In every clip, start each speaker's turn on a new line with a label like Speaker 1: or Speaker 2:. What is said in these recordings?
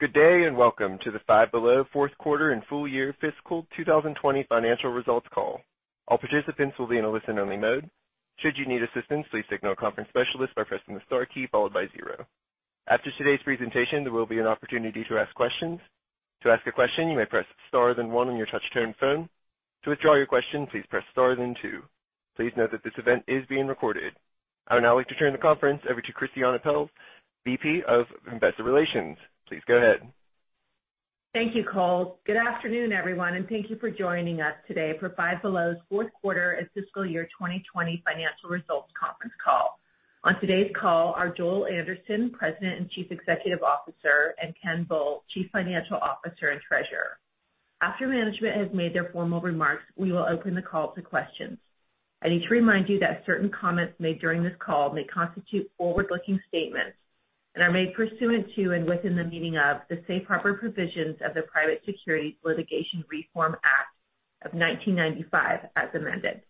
Speaker 1: Good day and welcome to the Five Below Fourth Quarter and full year Fiscal 2020 Financial Results Call. All participants will be in a listen-only mode. Should you need assistance, please signal a conference specialist by pressing the star key followed by zero. After today's presentation, there will be an opportunity to ask questions. To ask a question, you may press star then one on your touch-tone phone. To withdraw your question, please press star then two. Please note that this event is being recorded. I would now like to turn the conference over to Christiane Pelz, Vice President of Investor Relations. Please go ahead.
Speaker 2: Thank you, Cole. Good afternoon, everyone, and thank you for joining us today for Five Below's fourth quarter and fiscal year 2020 financial results conference call. On today's call are Joel Anderson, President and Chief Executive Officer, and Ken Bull, Chief Financial Officer and Treasurer. After management has made their formal remarks, we will open the call to questions. I need to remind you that certain comments made during this call may constitute forward-looking statements and are made pursuant to and within the meaning of the safe harbor provisions of the Private Securities Litigation Reform Act of 1995, as amended.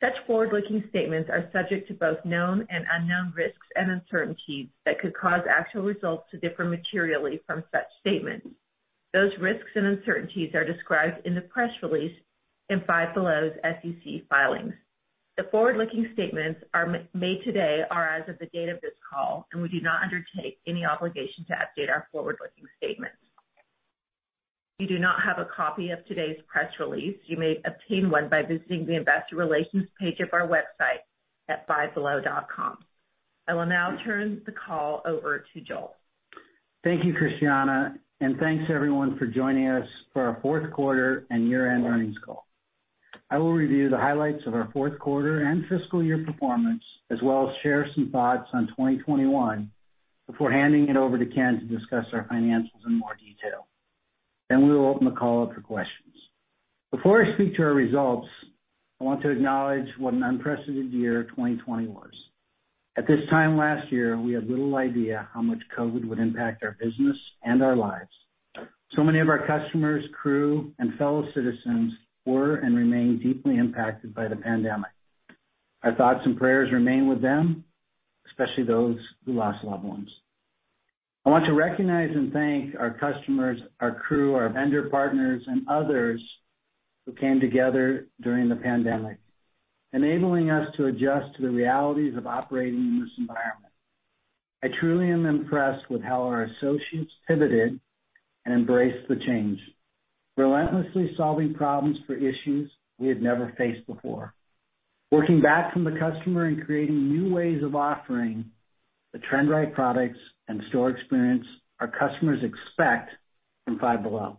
Speaker 2: Such forward-looking statements are subject to both known and unknown risks and uncertainties that could cause actual results to differ materially from such statements. Those risks and uncertainties are described in the press release and Five Below's SEC filings. The forward-looking statements made today are as of the date of this call, and we do not undertake any obligation to update our forward-looking statements. If you do not have a copy of today's press release, you may obtain one by visiting the Investor Relations page of our website at fivebelow.com. I will now turn the call over to Joel.
Speaker 3: Thank you, Christiane, and thanks everyone for joining us for our fourth quarter and year-end earnings call. I will review the highlights of our fourth quarter and fiscal year performance, as well as share some thoughts on 2021 before handing it over to Ken to discuss our financials in more detail. We will open the call up for questions. Before I speak to our results, I want to acknowledge what an unprecedented year 2020 was. At this time last year, we had little idea how much COVID would impact our business and our lives. So many of our customers, crew, and fellow citizens were and remain deeply impacted by the pandemic. Our thoughts and prayers remain with them, especially those who lost loved ones. I want to recognize and thank our customers, our crew, our vendor partners, and others who came together during the pandemic, enabling us to adjust to the realities of operating in this environment. I truly am impressed with how our associates pivoted and embraced the change, relentlessly solving problems for issues we had never faced before. Working back from the customer and creating new ways of offering the trend-right products and store experience our customers expect from Five Below.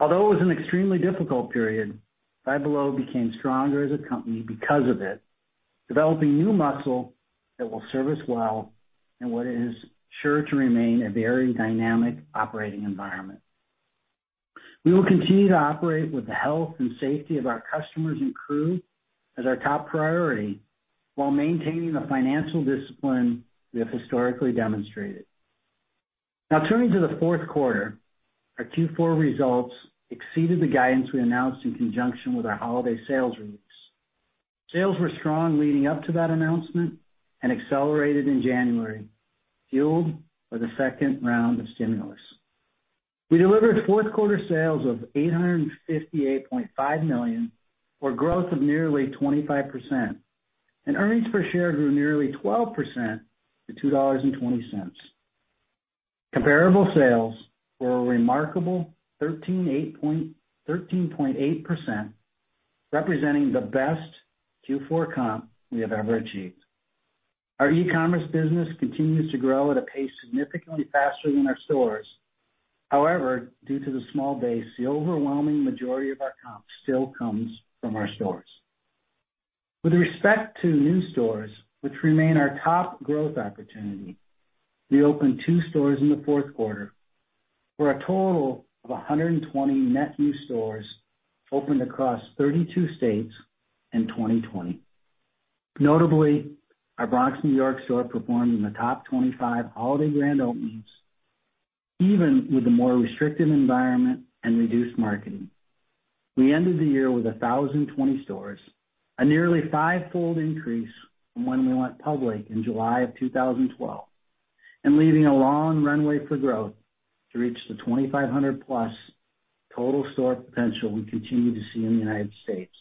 Speaker 3: Although it was an extremely difficult period, Five Below became stronger as a company because of it, developing new muscle that will serve us well in what is sure to remain a very dynamic operating environment. We will continue to operate with the health and safety of our customers and crew as our top priority while maintaining the financial discipline we have historically demonstrated. Now, turning to the fourth quarter, our Q4 results exceeded the guidance we announced in conjunction with our holiday sales release. Sales were strong leading up to that announcement and accelerated in January, fueled by the second round of stimulus. We delivered fourth quarter sales of $858.5 million, or a growth of nearly 25%, and earnings per share grew nearly 12% to $2.20. Comparable sales were a remarkable 13.8%, representing the best Q4 comp we have ever achieved. Our e-commerce business continues to grow at a pace significantly faster than our stores. However, due to the small base, the overwhelming majority of our comp still comes from our stores. With respect to new stores, which remain our top growth opportunity, we opened two stores in the fourth quarter for a total of 120 net new stores opened across 32 states in 2020. Notably, our Bronx, New York store performed in the top 25 holiday grand openings, even with a more restrictive environment and reduced marketing. We ended the year with 1,020 stores, a nearly five-fold increase from when we went public in July of 2012, and leaving a long runway for growth to reach the 2,500-plus total store potential we continue to see in the United States.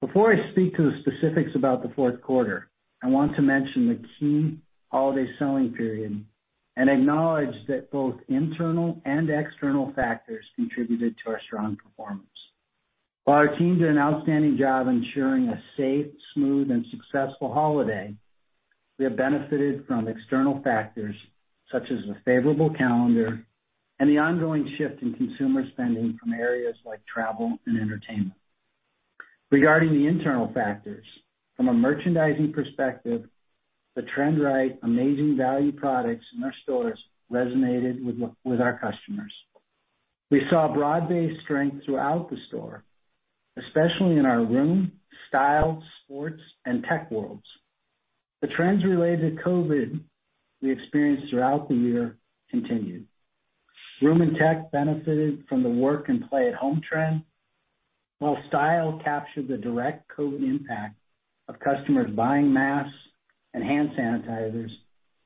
Speaker 3: Before I speak to the specifics about the fourth quarter, I want to mention the key holiday selling period and acknowledge that both internal and external factors contributed to our strong performance. While our team did an outstanding job ensuring a safe, smooth, and successful holiday, we have benefited from external factors such as the favorable calendar and the ongoing shift in consumer spending from areas like travel and entertainment. Regarding the internal factors, from a merchandising perspective, the trend-right, amazing value products in our stores resonated with our customers. We saw broad-based strength throughout the store, especially in our room, style, sports, and tech worlds. The trends related to COVID we experienced throughout the year continued. Room and tech benefited from the work and play-at-home trend, while style captured the direct COVID impact of customers buying masks and hand sanitizers,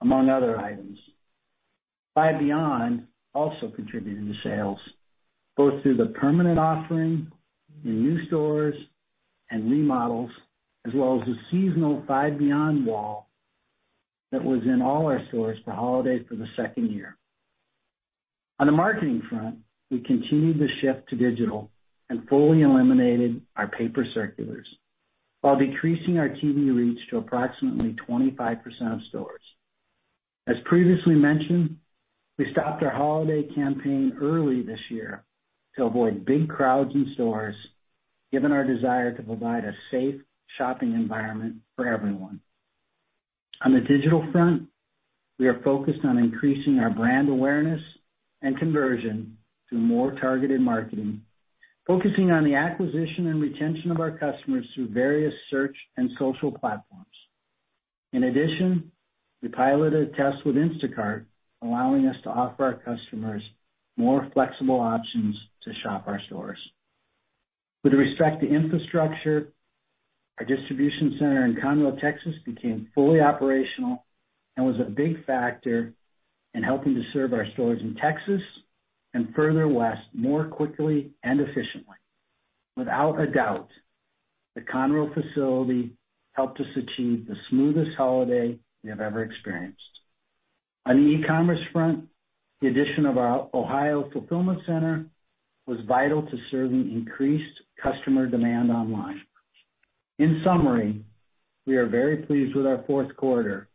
Speaker 3: among other items. Five Beyond also contributed to sales, both through the permanent offering in new stores and remodels, as well as the seasonal Five Beyond wall that was in all our stores for holiday for the second year. On the marketing front, we continued the shift to digital and fully eliminated our paper circulars, while decreasing our TV reach to approximately 25% of stores. As previously mentioned, we stopped our holiday campaign early this year to avoid big crowds in stores, given our desire to provide a safe shopping environment for everyone. On the digital front, we are focused on increasing our brand awareness and conversion through more targeted marketing, focusing on the acquisition and retention of our customers through various search and social platforms. In addition, we piloted a test with Instacart, allowing us to offer our customers more flexible options to shop our stores. With respect to infrastructure, our distribution center in Conroe, Texas, became fully operational and was a big factor in helping to serve our stores in Texas and further west more quickly and efficiently. Without a doubt, the Conroe facility helped us achieve the smoothest holiday we have ever experienced. On the e-commerce front, the addition of our Ohio Fulfillment Center was vital to serving increased customer demand online. In summary, we are very pleased with our fourth quarter,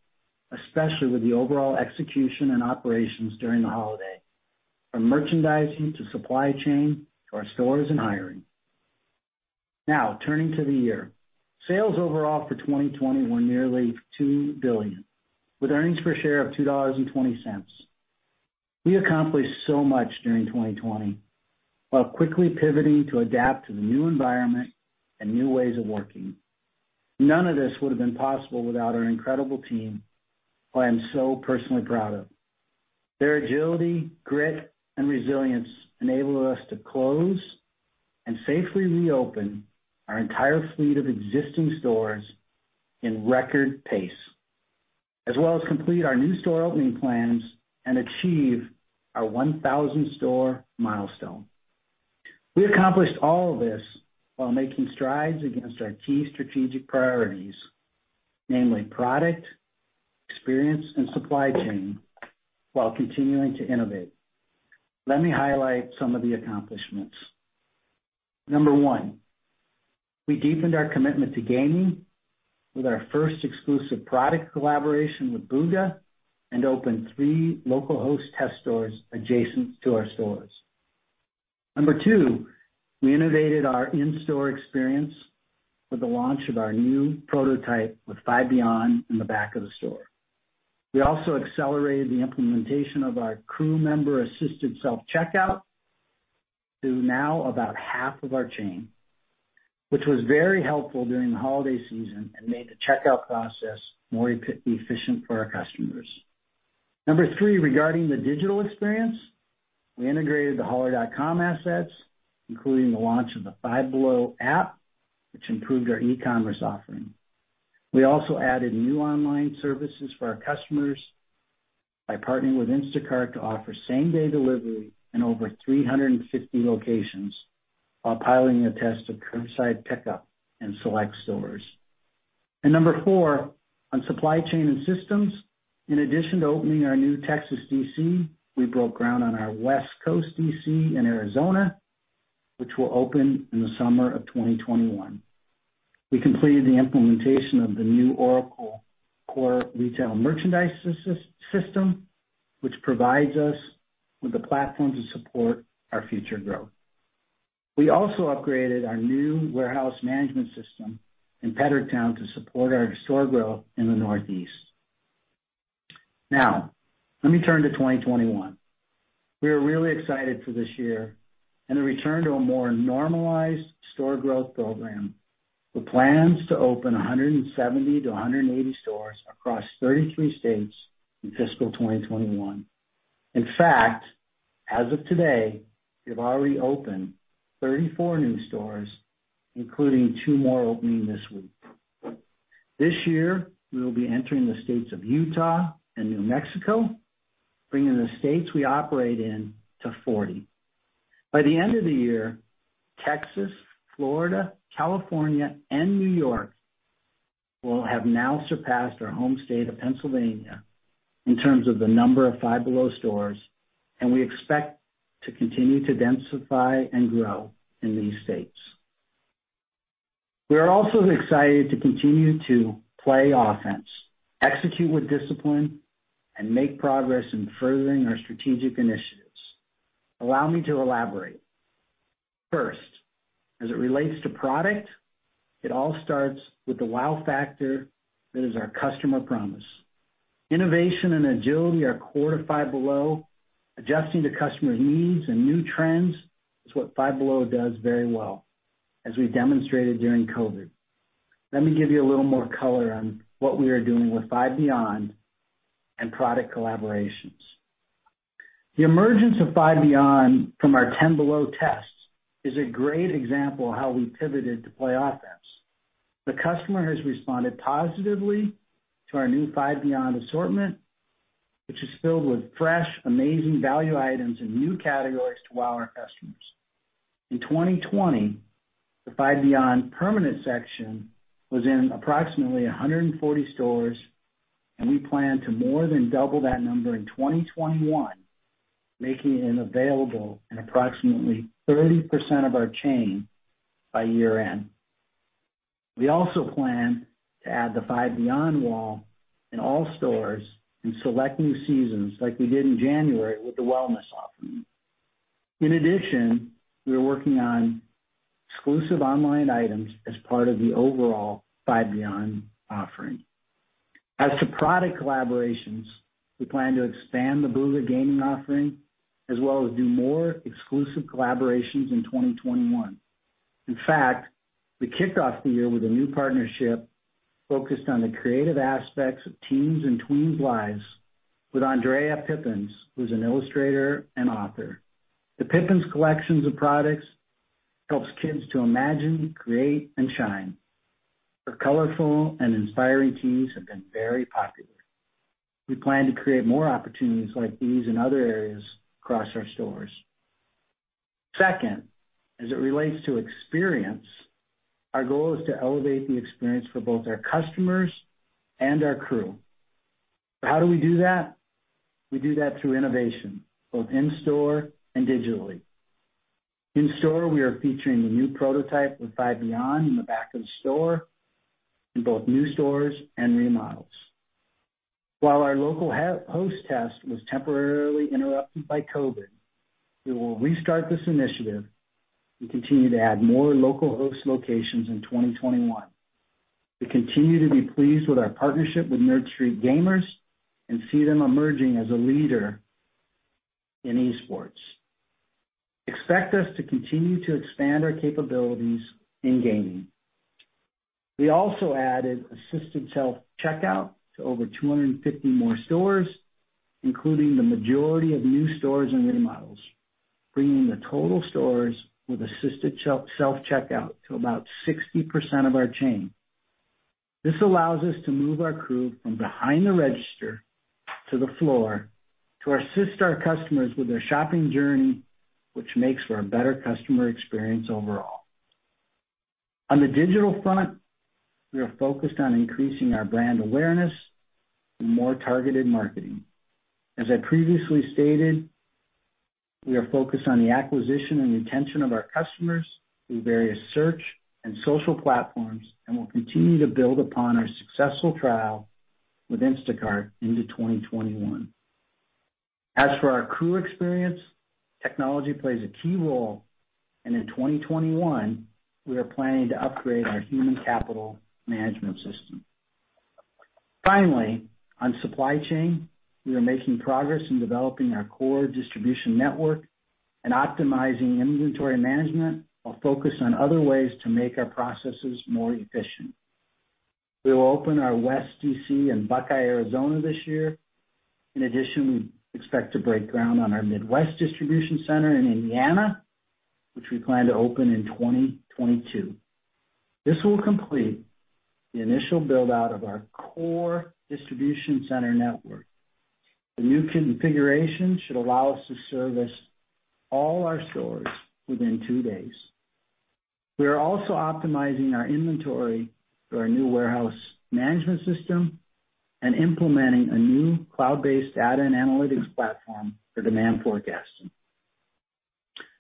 Speaker 3: especially with the overall execution and operations during the holiday, from merchandising to supply chain to our stores and hiring. Now, turning to the year, sales overall for 2020 were nearly $2 billion, with earnings per share of $2.20. We accomplished so much during 2020 while quickly pivoting to adapt to the new environment and new ways of working. None of this would have been possible without our incredible team, who I am so personally proud of. Their agility, grit, and resilience enabled us to close and safely reopen our entire fleet of existing stores in record pace, as well as complete our new store opening plans and achieve our 1,000-store milestone. We accomplished all of this while making strides against our key strategic priorities, namely product, experience, and supply chain, while continuing to innovate. Let me highlight some of the accomplishments. Number one, we deepened our commitment to gaming with our first exclusive product collaboration with Booga and opened three local host test stores adjacent to our stores. Number two, we innovated our in-store experience with the launch of our new prototype with Five Beyond in the back of the store. We also accelerated the implementation of our crew member-assisted self-checkout to now about half of our chain, which was very helpful during the holiday season and made the checkout process more efficient for our customers. Number three, regarding the digital experience, we integrated the Holler assets, including the launch of the Five Below app, which improved our e-commerce offering. We also added new online services for our customers by partnering with Instacart to offer same-day delivery in over 350 locations while piloting a test of curbside pickup in select stores. Number four, on supply chain and systems, in addition to opening our new Texas DC, we broke ground on our West Coast DC in Arizona, which will open in the summer of 2021. We completed the implementation of the new Oracle Core Retail Merchandise System, which provides us with the platform to support our future growth. We also upgraded our new warehouse management system in Pedricktown to support our store growth in the Northeast. Now, let me turn to 2021. We are really excited for this year and the return to a more normalized store growth program with plans to open 170-180 stores across 33 states in fiscal 2021. In fact, as of today, we have already opened 34 new stores, including two more opening this week. This year, we will be entering the states of Utah and New Mexico, bringing the states we operate in to 40. By the end of the year, Texas, Florida, California, and New York will have now surpassed our home state of Pennsylvania in terms of the number of Five Below stores, and we expect to continue to densify and grow in these states. We are also excited to continue to play offense, execute with discipline, and make progress in furthering our strategic initiatives. Allow me to elaborate. First, as it relates to product, it all starts with the wow factor that is our customer promise. Innovation and agility are core to Five Below. Adjusting to customer needs and new trends is what Five Below does very well, as we demonstrated during COVID. Let me give you a little more color on what we are doing with Five Beyond and product collaborations. The emergence of Five Beyond from our Ten Below tests is a great example of how we pivoted to play offense. The customer has responded positively to our new Five Beyond assortment, which is filled with fresh, amazing value items and new categories to wow our customers. In 2020, the Five Beyond permanent section was in approximately 140 stores, and we plan to more than double that number in 2021, making it available in approximately 30% of our chain by year-end. We also plan to add the Five Beyond wall in all stores in select new seasons, like we did in January with the wellness offering. In addition, we are working on exclusive online items as part of the overall Five Beyond offering. As to product collaborations, we plan to expand the Booga gaming offering as well as do more exclusive collaborations in 2021. In fact, we kicked off the year with a new partnership focused on the creative aspects of teens and tweens' lives with Andrea Pippens, who's an illustrator and author. The Pippens collections of products help kids to imagine, create, and shine. Her colorful and inspiring tees have been very popular. We plan to create more opportunities like these in other areas across our stores. Second, as it relates to experience, our goal is to elevate the experience for both our customers and our crew. How do we do that? We do that through innovation, both in-store and digitally. In-store, we are featuring the new prototype with Five Beyond in the back of the store in both new stores and remodels. While our local host test was temporarily interrupted by COVID, we will restart this initiative and continue to add more local host locations in 2021. We continue to be pleased with our partnership with Nerd Street Gamers and see them emerging as a leader in esports. Expect us to continue to expand our capabilities in gaming. We also added assisted self-checkout to over 250 more stores, including the majority of new stores and remodels, bringing the total stores with assisted self-checkout to about 60% of our chain. This allows us to move our crew from behind the register to the floor to assist our customers with their shopping journey, which makes for a better customer experience overall. On the digital front, we are focused on increasing our brand awareness and more targeted marketing. As I previously stated, we are focused on the acquisition and retention of our customers through various search and social platforms and will continue to build upon our successful trial with Instacart into 2021. As for our crew experience, technology plays a key role, and in 2021, we are planning to upgrade our human capital management system. Finally, on supply chain, we are making progress in developing our core distribution network and optimizing inventory management while focusing on other ways to make our processes more efficient. We will open our West DC in Buckeye, Arizona, this year. In addition, we expect to break ground on our Midwest distribution center in Indiana, which we plan to open in 2022. This will complete the initial build-out of our core distribution center network. The new configuration should allow us to service all our stores within two days. We are also optimizing our inventory through our new warehouse management system and implementing a new cloud-based data and analytics platform for demand forecasting.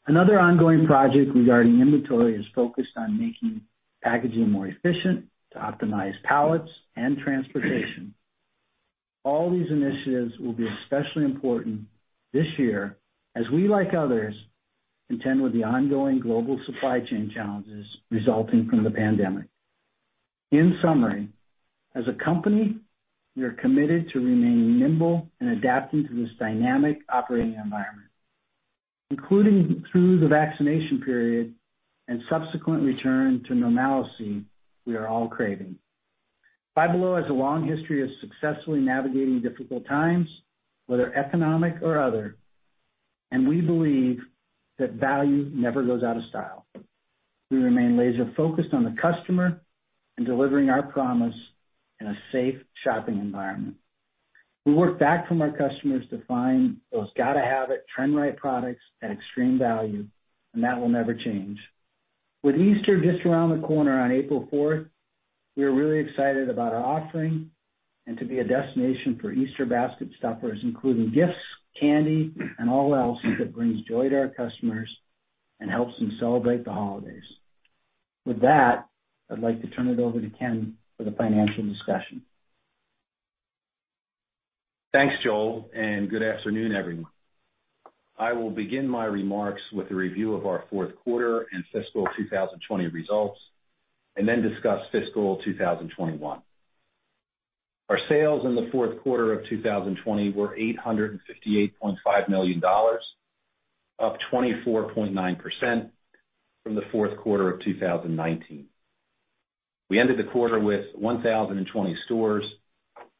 Speaker 3: Another ongoing project regarding inventory is focused on making packaging more efficient to optimize pallets and transportation. All these initiatives will be especially important this year as we, like others, contend with the ongoing global supply chain challenges resulting from the pandemic. In summary, as a company, we are committed to remaining nimble and adapting to this dynamic operating environment, including through the vaccination period and subsequent return to normalcy we are all craving. Five Below has a long history of successfully navigating difficult times, whether economic or other, and we believe that value never goes out of style. We remain laser-focused on the customer and delivering our promise in a safe shopping environment. We work back from our customers to find those gotta-have-it, trend-right products at extreme value, and that will never change. With Easter just around the corner on April 4th, we are really excited about our offering and to be a destination for Easter basket stuffers, including gifts, candy, and all else that brings joy to our customers and helps them celebrate the holidays. With that, I'd like to turn it over to Ken for the financial discussion.
Speaker 4: Thanks, Joel, and good afternoon, everyone. I will begin my remarks with a review of our fourth quarter and fiscal 2020 results and then discuss fiscal 2021. Our sales in the fourth quarter of 2020 were $858.5 million, up 24.9% from the fourth quarter of 2019. We ended the quarter with 1,020 stores,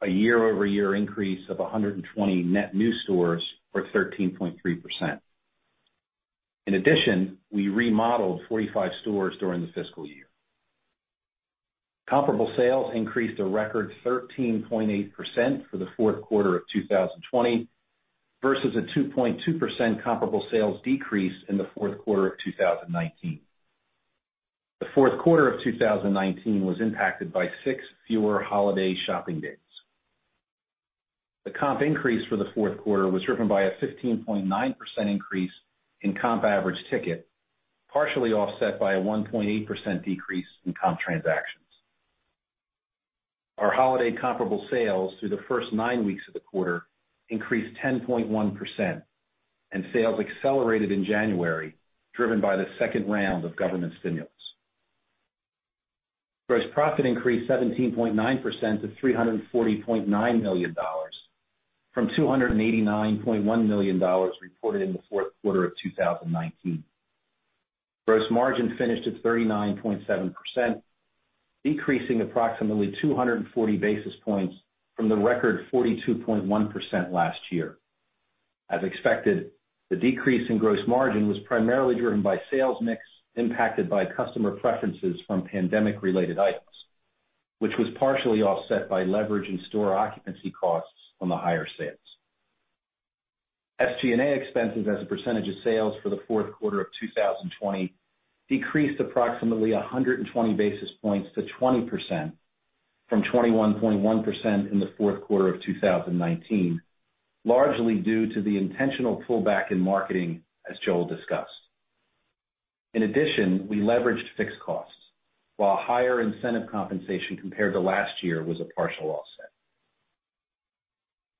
Speaker 4: a year-over-year increase of 120 net new stores for 13.3%. In addition, we remodeled 45 stores during the fiscal year. Comparable sales increased a record 13.8% for the fourth quarter of 2020 versus a 2.2% comparable sales decrease in the fourth quarter of 2019. The fourth quarter of 2019 was impacted by six fewer holiday shopping days. The comp increase for the fourth quarter was driven by a 15.9% increase in comp average ticket, partially offset by a 1.8% decrease in comp transactions. Our holiday comparable sales through the first nine weeks of the quarter increased 10.1%, and sales accelerated in January, driven by the second round of government stimulus. Gross profit increased 17.9% to $340.9 million from $289.1 million reported in the fourth quarter of 2019. Gross margin finished at 39.7%, decreasing approximately 240 basis points from the record 42.1% last year. As expected, the decrease in gross margin was primarily driven by sales mix impacted by customer preferences from pandemic-related items, which was partially offset by leverage and store occupancy costs on the higher sales. SG&A expenses as a percentage of sales for the fourth quarter of 2020 decreased approximately 120 basis points to 20% from 21.1% in the fourth quarter of 2019, largely due to the intentional pullback in marketing, as Joel discussed. In addition, we leveraged fixed costs, while higher incentive compensation compared to last year was a partial offset.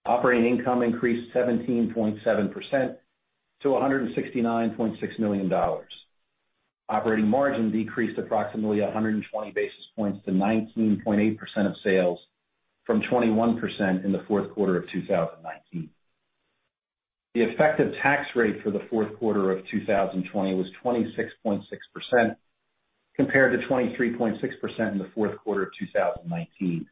Speaker 4: Operating income increased 17.7% to $169.6 million. Operating margin decreased approximately 120 basis points to 19.8% of sales from 21% in the fourth quarter of 2019. The effective tax rate for the fourth quarter of 2020 was 26.6% compared to 23.6% in the fourth quarter of 2019.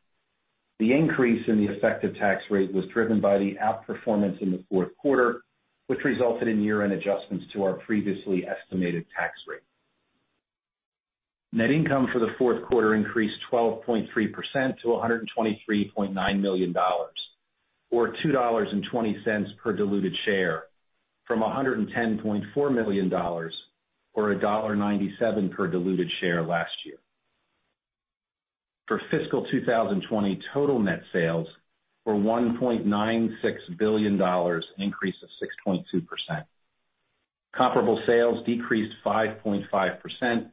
Speaker 4: The increase in the effective tax rate was driven by the outperformance in the fourth quarter, which resulted in year-end adjustments to our previously estimated tax rate. Net income for the fourth quarter increased 12.3% to $123.9 million, or $2.20 per diluted share, from $110.4 million, or $1.97 per diluted share last year. For fiscal 2020, total net sales were $1.96 billion, increased to 6.2%. Comparable sales decreased 5.5%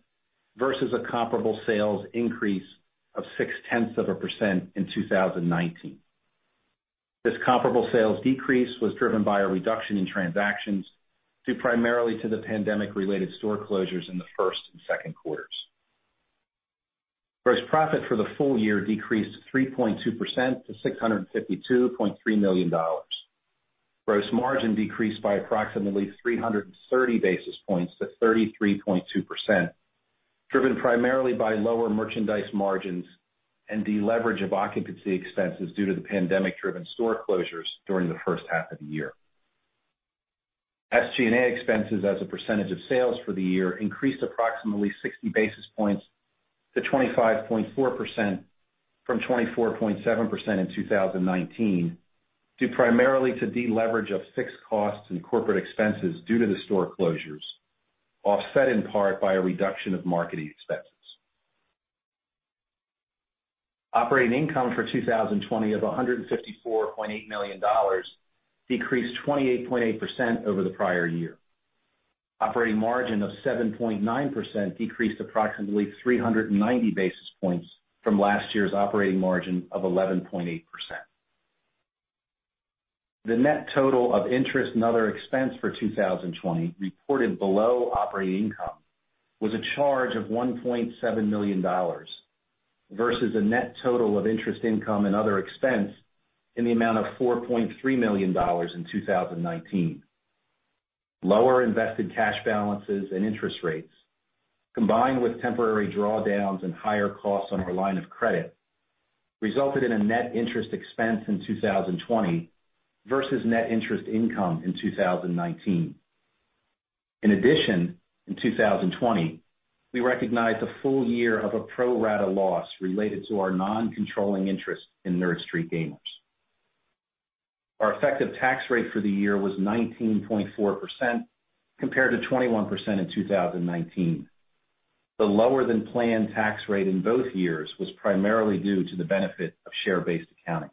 Speaker 4: versus a comparable sales increase of six tenths of a percent in 2019. This comparable sales decrease was driven by a reduction in transactions due primarily to the pandemic-related store closures in the first and second quarters. Gross profit for the full year decreased 3.2% to $652.3 million. Gross margin decreased by approximately 330 basis points to 33.2%, driven primarily by lower merchandise margins and deleverage of occupancy expenses due to the pandemic-driven store closures during the first half of the year. SG&A expenses as a percentage of sales for the year increased approximately 60 basis points to 25.4% from 24.7% in 2019, due primarily to deleverage of fixed costs and corporate expenses due to the store closures, offset in part by a reduction of marketing expenses. Operating income for 2020 of $154.8 million decreased 28.8% over the prior year. Operating margin of 7.9% decreased approximately 390 basis points from last year's operating margin of 11.8%. The net total of interest and other expense for 2020 reported below operating income was a charge of $1.7 million versus a net total of interest income and other expense in the amount of $4.3 million in 2019. Lower invested cash balances and interest rates, combined with temporary drawdowns and higher costs on our line of credit, resulted in a net interest expense in 2020 versus net interest income in 2019. In addition, in 2020, we recognized a full year of a pro-rata loss related to our non-controlling interest in Nerd Street Gamers. Our effective tax rate for the year was 19.4% compared to 21% in 2019. The lower-than-planned tax rate in both years was primarily due to the benefit of share-based accounting.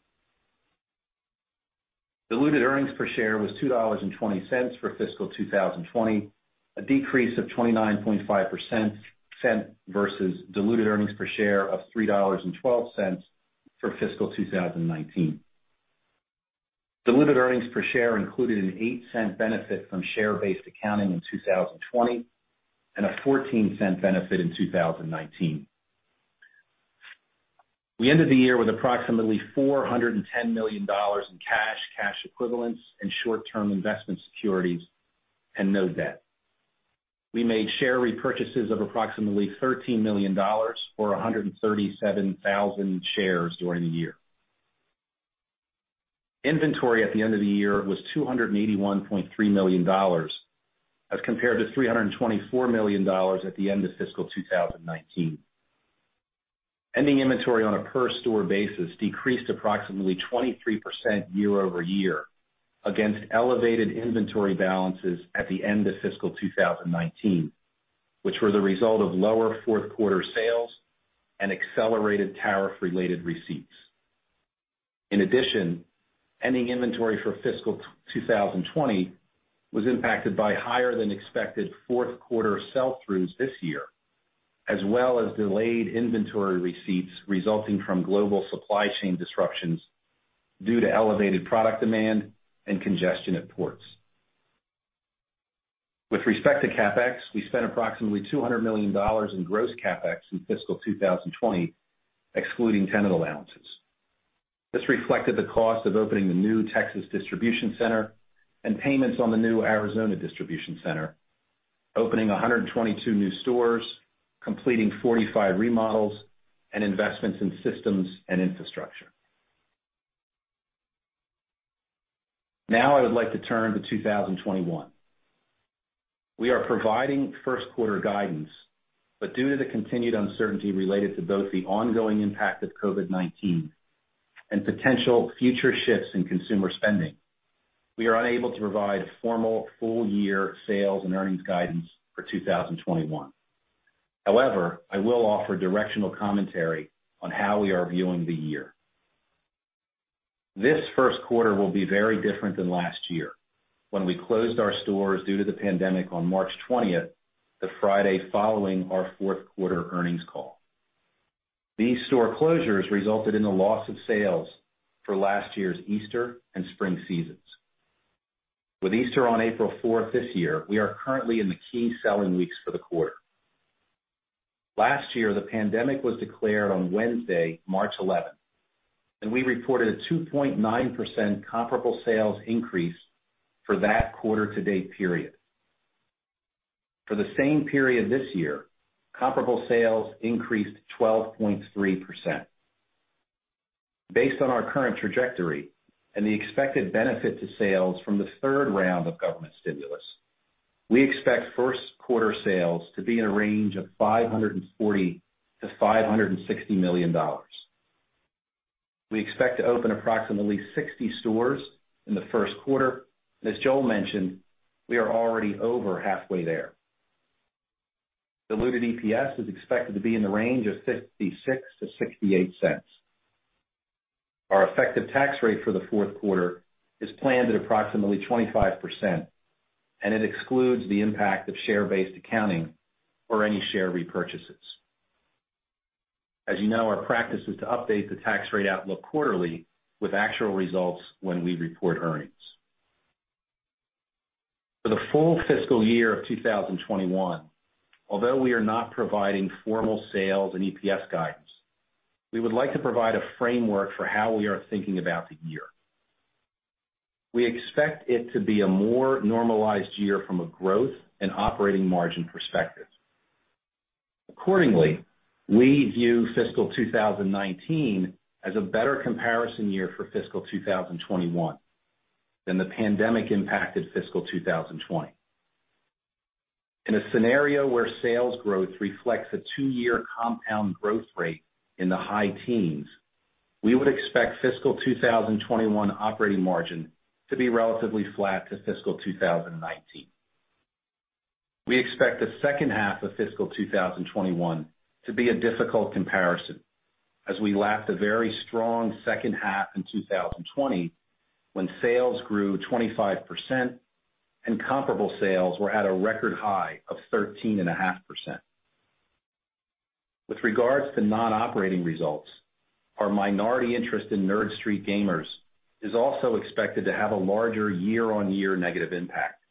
Speaker 4: Diluted earnings per share was $2.20 for fiscal 2020, a decrease of 29.5% versus diluted earnings per share of $3.12 for fiscal 2019. Diluted earnings per share included an $0.08 benefit from share-based accounting in 2020 and a $0.14 benefit in 2019. We ended the year with approximately $410 million in cash, cash equivalents, and short-term investment securities, and no debt. We made share repurchases of approximately $13 million, or 137,000 shares during the year. Inventory at the end of the year was $281.3 million as compared to $324 million at the end of fiscal 2019. Ending inventory on a per-store basis decreased approximately 23% year-over-year against elevated inventory balances at the end of fiscal 2019, which were the result of lower fourth-quarter sales and accelerated tariff-related receipts. In addition, ending inventory for fiscal 2020 was impacted by higher-than-expected fourth-quarter sell-throughs this year, as well as delayed inventory receipts resulting from global supply chain disruptions due to elevated product demand and congestion at ports. With respect to CapEx, we spent approximately $200 million in gross CapEx in fiscal 2020, excluding tenant allowances. This reflected the cost of opening the new Texas distribution center and payments on the new Arizona distribution center, opening 122 new stores, completing 45 remodels, and investments in systems and infrastructure. Now, I would like to turn to 2021. We are providing first-quarter guidance, but due to the continued uncertainty related to both the ongoing impact of COVID-19 and potential future shifts in consumer spending, we are unable to provide formal full-year sales and earnings guidance for 2021. However, I will offer directional commentary on how we are viewing the year. This first quarter will be very different than last year when we closed our stores due to the pandemic on March 20th, the Friday following our fourth-quarter earnings call. These store closures resulted in the loss of sales for last year's Easter and spring seasons. With Easter on April 4th this year, we are currently in the key selling weeks for the quarter. Last year, the pandemic was declared on Wednesday, March 11th, and we reported a 2.9% comparable sales increase for that quarter-to-date period. For the same period this year, comparable sales increased 12.3%. Based on our current trajectory and the expected benefit to sales from the third round of government stimulus, we expect first-quarter sales to be in a range of $540-$560 million. We expect to open approximately 60 stores in the first quarter, and as Joel mentioned, we are already over halfway there. Diluted EPS is expected to be in the range of $0.56-$0.68. Our effective tax rate for the fourth quarter is planned at approximately 25%, and it excludes the impact of share-based accounting or any share repurchases. As you know, our practice is to update the tax rate outlook quarterly with actual results when we report earnings. For the full fiscal year of 2021, although we are not providing formal sales and EPS guidance, we would like to provide a framework for how we are thinking about the year. We expect it to be a more normalized year from a growth and operating margin perspective. Accordingly, we view fiscal 2019 as a better comparison year for fiscal 2021 than the pandemic-impacted fiscal 2020. In a scenario where sales growth reflects a two-year compound growth rate in the high teens, we would expect fiscal 2021 operating margin to be relatively flat to fiscal 2019. We expect the second half of fiscal 2021 to be a difficult comparison as we left a very strong second half in 2020 when sales grew 25% and comparable sales were at a record high of 13.5%. With regards to non-operating results, our minority interest in Nerd Street Gamers is also expected to have a larger year-on-year negative impact,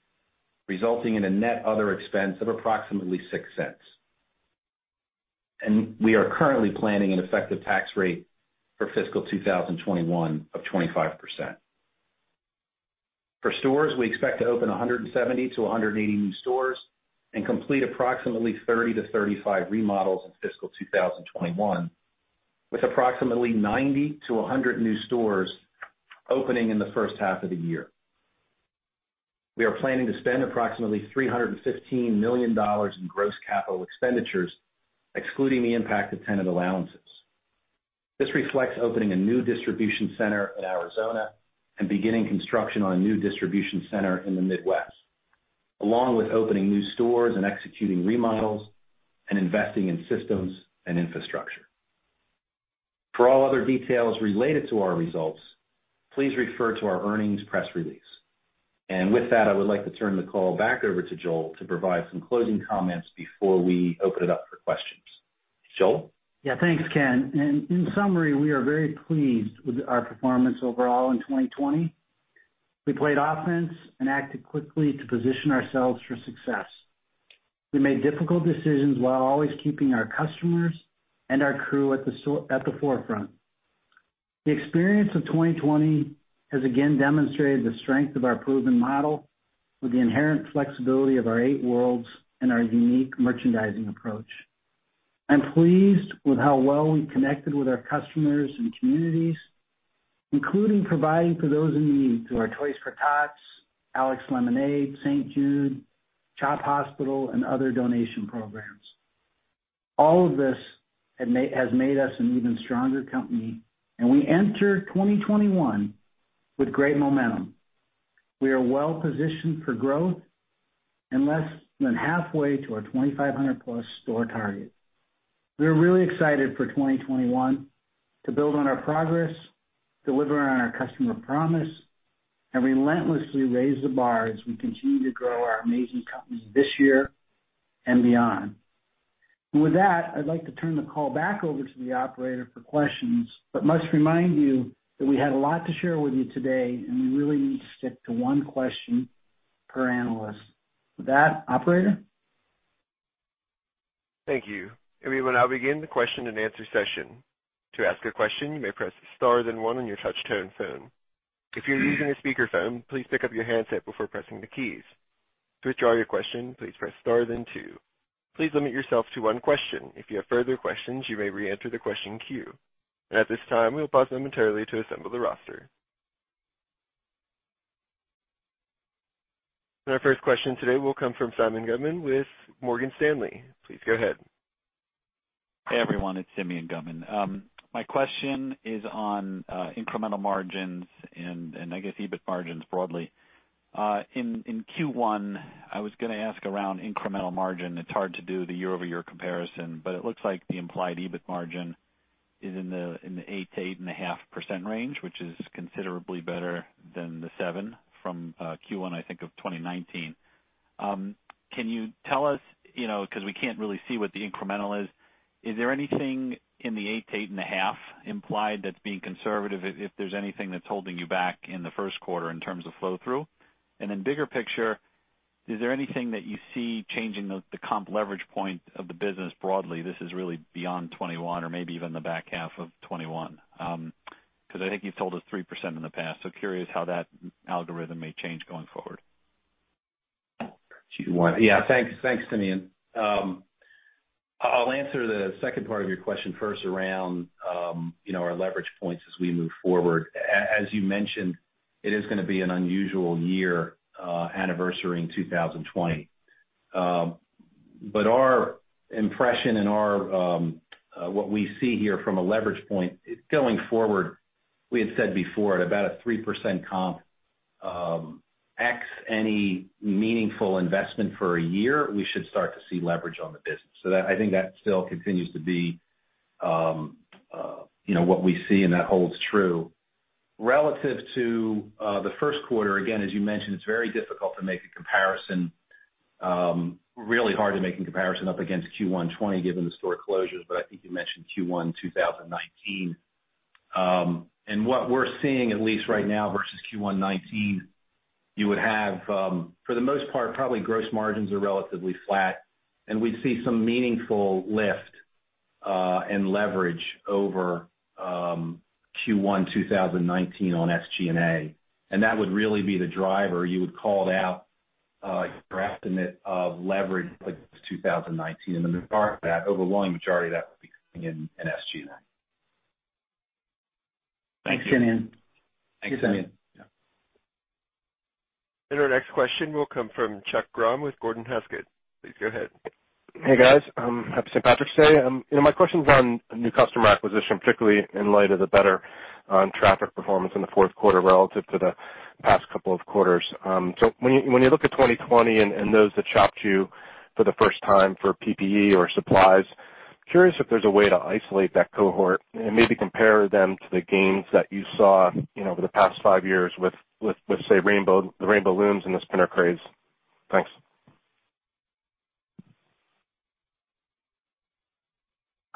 Speaker 4: resulting in a net other expense of approximately $0.06. We are currently planning an effective tax rate for fiscal 2021 of 25%. For stores, we expect to open 170-180 new stores and complete approximately 30-35 remodels in fiscal 2021, with approximately 90-100 new stores opening in the first half of the year. We are planning to spend approximately $315 million in gross capital expenditures, excluding the impact of tenant allowances. This reflects opening a new distribution center in Arizona and beginning construction on a new distribution center in the Midwest, along with opening new stores and executing remodels and investing in systems and infrastructure. For all other details related to our results, please refer to our earnings press release. With that, I would like to turn the call back over to Joel to provide some closing comments before we open it up for questions. Joel?
Speaker 3: Yeah, thanks, Ken. In summary, we are very pleased with our performance overall in 2020. We played offense and acted quickly to position ourselves for success. We made difficult decisions while always keeping our customers and our crew at the forefront. The experience of 2020 has again demonstrated the strength of our proven model with the inherent flexibility of our eight worlds and our unique merchandising approach. I'm pleased with how well we connected with our customers and communities, including providing for those in need through our Toys for Tots, Alex Lemonade, St. Jude, CHOP Hospital, and other donation programs. All of this has made us an even stronger company, and we entered 2021 with great momentum. We are well positioned for growth and less than halfway to our 2,500-plus store target. We are really excited for 2021 to build on our progress, deliver on our customer promise, and relentlessly raise the bar as we continue to grow our amazing company this year and beyond. I'd like to turn the call back over to the operator for questions, but must remind you that we had a lot to share with you today, and we really need to stick to one question per analyst. With that, operator?
Speaker 1: Thank you. Everyone, I'll begin the question and answer session. To ask a question, you may press the star then one on your touch-tone phone. If you're using a speakerphone, please pick up your handset before pressing the keys. To withdraw your question, please press star then two. Please limit yourself to one question. If you have further questions, you may re-enter the question queue. At this time, we will pause momentarily to assemble the roster. Our first question today will come from Simeon Guttman with Morgan Stanley. Please go ahead.
Speaker 5: Hey, everyone. It's Simeon Guttman. My question is on incremental margins and, I guess, EBIT margins broadly. In Q1, I was going to ask around incremental margin. It's hard to do the year-over-year comparison, but it looks like the implied EBIT margin is in the 8-8.5% range, which is considerably better than the 7% from Q1, I think, of 2019. Can you tell us, because we can't really see what the incremental is, is there anything in the 8-8.5% implied that's being conservative if there's anything that's holding you back in the first quarter in terms of flow-through? Bigger picture, is there anything that you see changing the comp leverage point of the business broadly? This is really beyond 2021 or maybe even the back half of 2021, because I think you've told us 3% in the past. Curious how that algorithm may change going forward.
Speaker 4: Yeah, thanks, Simeon. I'll answer the second part of your question first around our leverage points as we move forward. As you mentioned, it is going to be an unusual year anniversary in 2020. But our impression and what we see here from a leverage point going forward, we had said before at about a 3% comp, acts any meaningful investment for a year, we should start to see leverage on the business. So I think that still continues to be what we see, and that holds true. Relative to the first quarter, again, as you mentioned, it's very difficult to make a comparison, really hard to make a comparison up against Q1 2020 given the store closures, but I think you mentioned Q1 2019. And what we're seeing, at least right now versus Q1 2019, you would have, for the most part, probably gross margins are relatively flat, and we'd see some meaningful lift and leverage over Q1 2019 on SG&A. And that would really be the driver. You would call it out, your estimate of leverage in 2019. And the overwhelming majority of that would be in SG&A. Thanks, Simeon. Yeah.
Speaker 1: Our next question will come from Chuck Grom with Gordon Haskett. Please go ahead.
Speaker 6: Hey, guys. Happy St. Patrick's Day. My question's on new customer acquisition, particularly in light of the better traffic performance in the fourth quarter relative to the past couple of quarters. When you look at 2020 and those that shopped you for the first time for PPE or supplies, curious if there's a way to isolate that cohort and maybe compare them to the gains that you saw over the past five years with, say, the Rainbow Looms and the spinner craze. Thanks.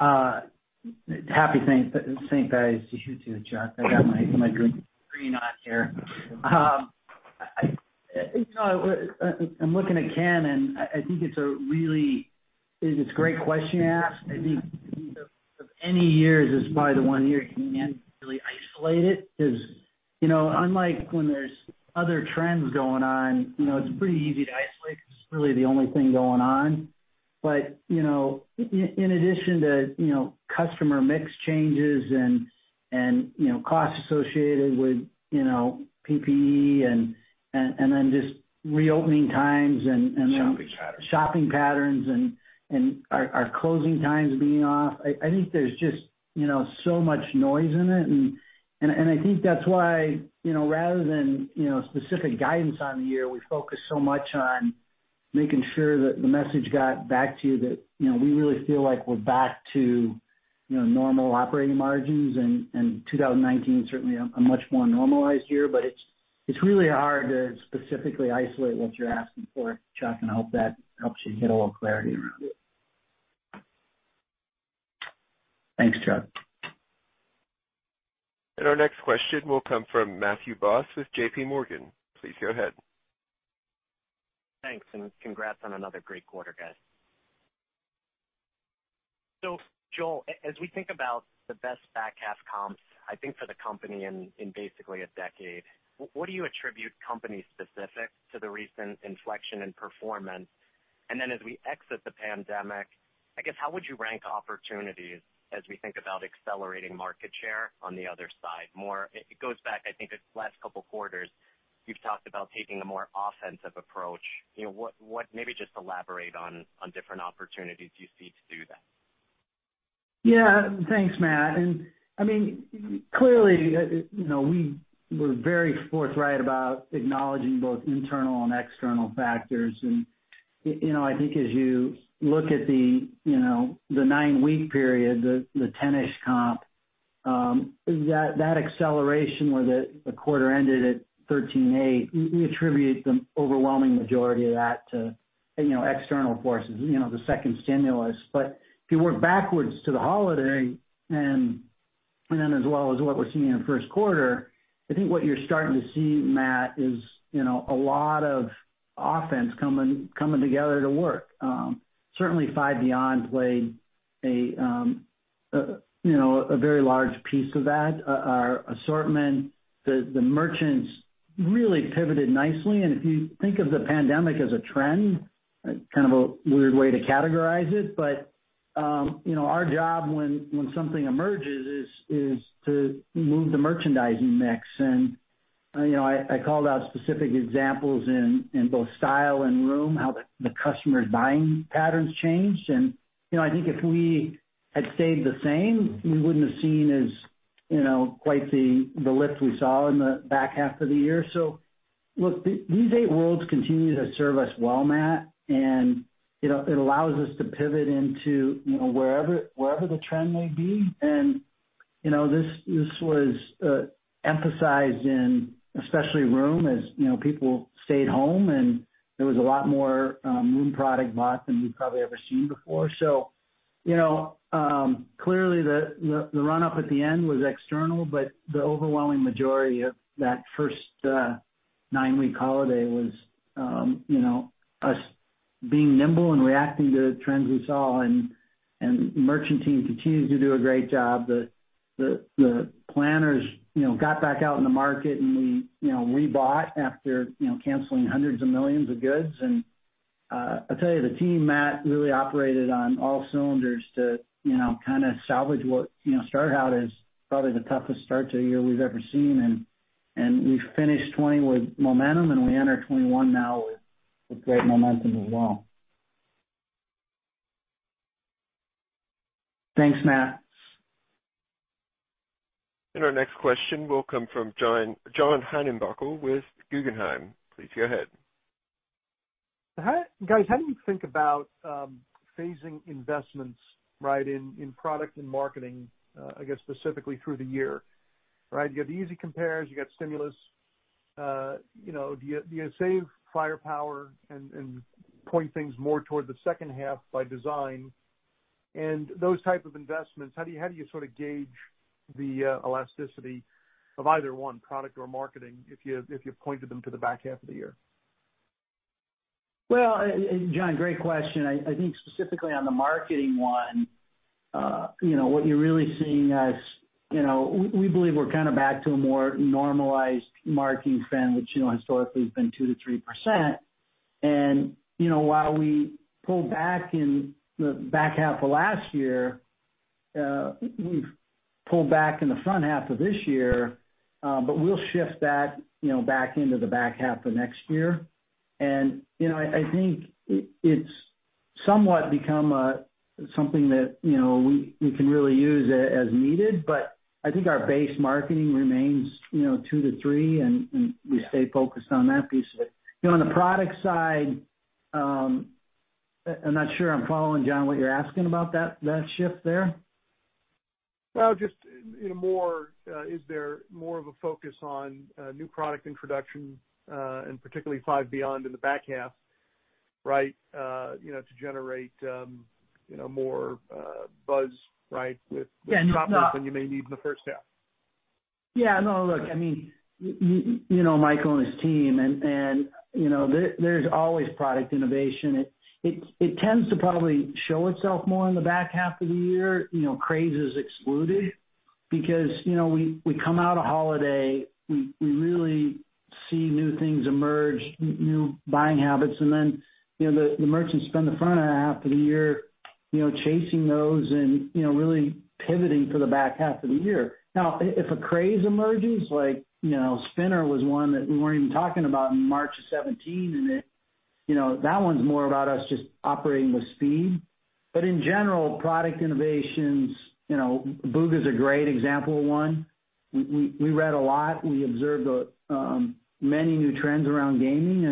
Speaker 3: Happy St. Patrick's Day to you too, Chuck. I got my green on here. I'm looking at Ken, and I think it's a really great question you asked. I think of any years, it's probably the one year you can really isolate it because unlike when there's other trends going on, it's pretty easy to isolate because it's really the only thing going on. In addition to customer mix changes and costs associated with PPE and then just reopening times and shopping patterns and our closing times being off, I think there's just so much noise in it. I think that's why, rather than specific guidance on the year, we focus so much on making sure that the message got back to you that we really feel like we're back to normal operating margins. 2019 is certainly a much more normalized year, but it's really hard to specifically isolate what you're asking for, Chuck, and I hope that helps you get a little clarity around it.
Speaker 6: Thanks, Chuck.
Speaker 1: Our next question will come from Matthew Boss with JPMorgan Chase & Co. Please go ahead.
Speaker 7: Thanks, and congrats on another great quarter, guys. Joel, as we think about the best back half comps, I think for the company in basically a decade, what do you attribute company-specific to the recent inflection in performance? As we exit the pandemic, I guess, how would you rank opportunities as we think about accelerating market share on the other side? It goes back, I think, to the last couple of quarters. You've talked about taking a more offensive approach. Maybe just elaborate on different opportunities you see to do that.
Speaker 3: Yeah, thanks, Matt. I mean, clearly, we were very forthright about acknowledging both internal and external factors. I think as you look at the nine-week period, the 10% comp, that acceleration where the quarter ended at 13.8%, we attribute the overwhelming majority of that to external forces, the second stimulus. If you work backwards to the holiday and then as well as what we are seeing in the first quarter, I think what you are starting to see, Matt, is a lot of offense coming together to work. Certainly, Five Beyond played a very large piece of that. Our assortment, the merchants really pivoted nicely. If you think of the pandemic as a trend, kind of a weird way to categorize it, but our job when something emerges is to move the merchandising mix. I called out specific examples in both style and room, how the customer's buying patterns changed. I think if we had stayed the same, we would not have seen quite the lift we saw in the back half of the year. These eight worlds continue to serve us well, Matt, and it allows us to pivot into wherever the trend may be. This was emphasized in especially room as people stayed home, and there was a lot more room product bought than we have probably ever seen before. Clearly, the run-up at the end was external, but the overwhelming majority of that first nine-week holiday was us being nimble and reacting to trends we saw. The merchant team continues to do a great job. The planners got back out in the market, and we rebought after canceling hundreds of millions of goods. I'll tell you, the team, Matt, really operated on all cylinders to kind of salvage what started out as probably the toughest start to the year we've ever seen. We finished 2020 with momentum, and we enter 2021 now with great momentum as well. Thanks, Matt.
Speaker 1: Our next question will come from John Heinbockel with Guggenheim. Please go ahead.
Speaker 8: Guys, how do you think about phasing investments in product and marketing, I guess, specifically through the year? You got the easy compares, you got stimulus. Do you save firepower and point things more toward the second half by design? Those type of investments, how do you sort of gauge the elasticity of either one, product or marketing, if you pointed them to the back half of the year?
Speaker 3: John, great question. I think specifically on the marketing one, what you're really seeing is we believe we're kind of back to a more normalized marketing trend, which historically has been 2-3%. While we pulled back in the back half of last year, we've pulled back in the front half of this year, but we'll shift that back into the back half of next year. I think it's somewhat become something that we can really use as needed, but I think our base marketing remains 2-3%, and we stay focused on that piece. On the product side, I'm not sure I'm following, John, what you're asking about that shift there.
Speaker 8: Is there more of a focus on new product introduction and particularly Five Beyond in the back half, right, to generate more buzz with the shoppers than you may need in the first half?
Speaker 3: Yeah. No, look, I mean, Michael and his team, and there's always product innovation. It tends to probably show itself more in the back half of the year. Craze is excluded because we come out of holiday, we really see new things emerge, new buying habits, and then the merchants spend the front half of the year chasing those and really pivoting for the back half of the year. Now, if a craze emerges, like spinner was one that we were not even talking about in March of 2017, and that one's more about us just operating with speed. In general, product innovations, Booga's a great example of one. We read a lot. We observed many new trends around gaming,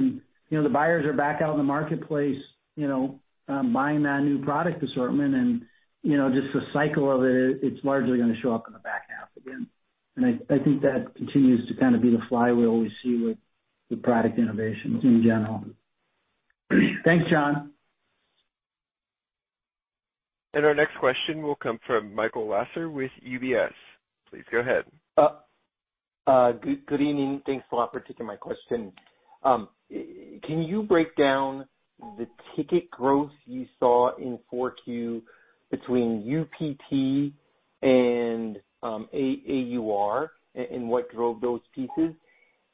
Speaker 3: and the buyers are back out in the marketplace buying that new product assortment. Just the cycle of it, it's largely going to show up in the back half again. I think that continues to kind of be the flywheel we see with product innovations in general. Thanks, John.
Speaker 1: Our next question will come from Michael Lasser with UBS. Please go ahead.
Speaker 9: Good evening. Thanks a lot for taking my question. Can you break down the ticket growth you saw in Q4 between UPT and AUR and what drove those pieces?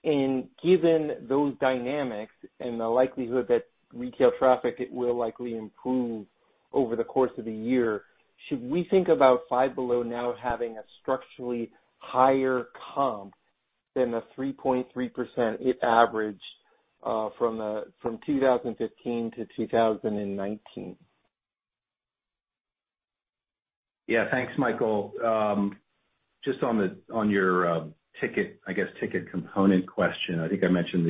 Speaker 9: Given those dynamics and the likelihood that retail traffic will likely improve over the course of the year, should we think about Five Below now having a structurally higher comp than the 3.3% it averaged from 2015 to 2019?
Speaker 4: Yeah, thanks, Michael. Just on your ticket, I guess, ticket component question, I think I mentioned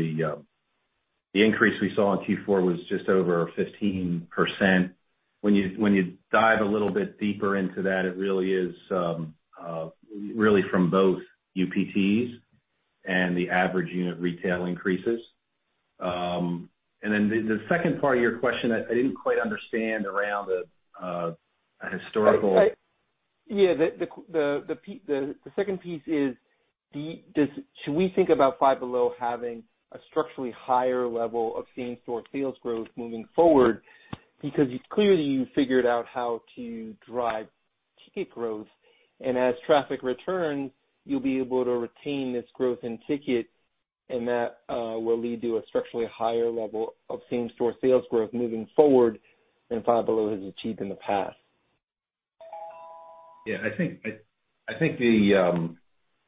Speaker 4: the increase we saw in Q4 was just over 15%. When you dive a little bit deeper into that, it really is really from both UPTs and the average unit retail increases. Then the second part of your question, I did not quite understand around a historical.
Speaker 9: Yeah, the second piece is, should we think about Five Below having a structurally higher level of same-store sales growth moving forward? Because clearly, you figured out how to drive ticket growth. As traffic returns, you will be able to retain this growth in ticket, and that will lead to a structurally higher level of same-store sales growth moving forward than Five Below has achieved in the past. Yeah, I think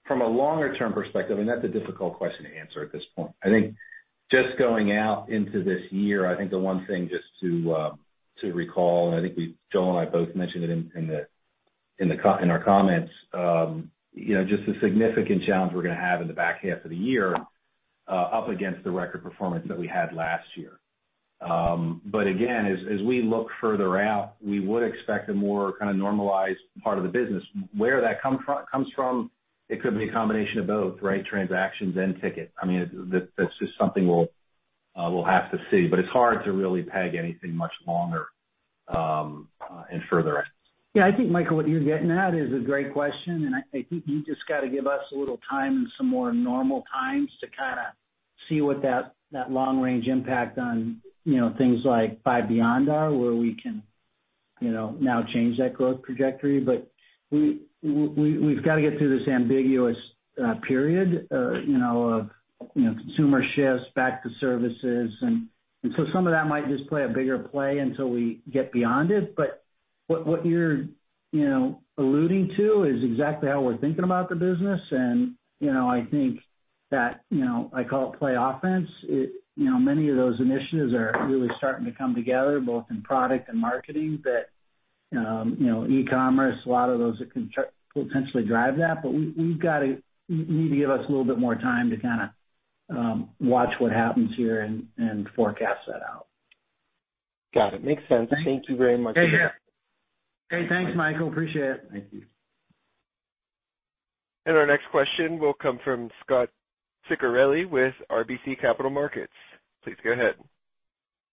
Speaker 9: from a longer-term perspective, and that is a difficult question to answer at this point.
Speaker 4: I think just going out into this year, I think the one thing just to recall, and I think Joel and I both mentioned it in our comments, just the significant challenge we're going to have in the back half of the year up against the record performance that we had last year. Again, as we look further out, we would expect a more kind of normalized part of the business. Where that comes from, it could be a combination of both, right, transactions and tickets. I mean, that's just something we'll have to see. It's hard to really peg anything much longer and further out.
Speaker 3: Yeah, I think, Michael, what you're getting at is a great question. I think you just got to give us a little time and some more normal times to kind of see what that long-range impact on things like Five Beyond are, where we can now change that growth trajectory. We have to get through this ambiguous period of consumer shifts back to services. Some of that might just play a bigger play until we get beyond it. What you are alluding to is exactly how we are thinking about the business. I think that I call it play offense. Many of those initiatives are really starting to come together, both in product and marketing, that e-commerce, a lot of those that can potentially drive that. You need to give us a little bit more time to kind of watch what happens here and forecast that out.
Speaker 9: Got it. Makes sense. Thank you very much.
Speaker 3: Hey, thanks, Michael. Appreciate it.
Speaker 9: Thank you.
Speaker 1: Our next question will come from Scott Ciccarelli with RBC Capital Markets. Please go ahead.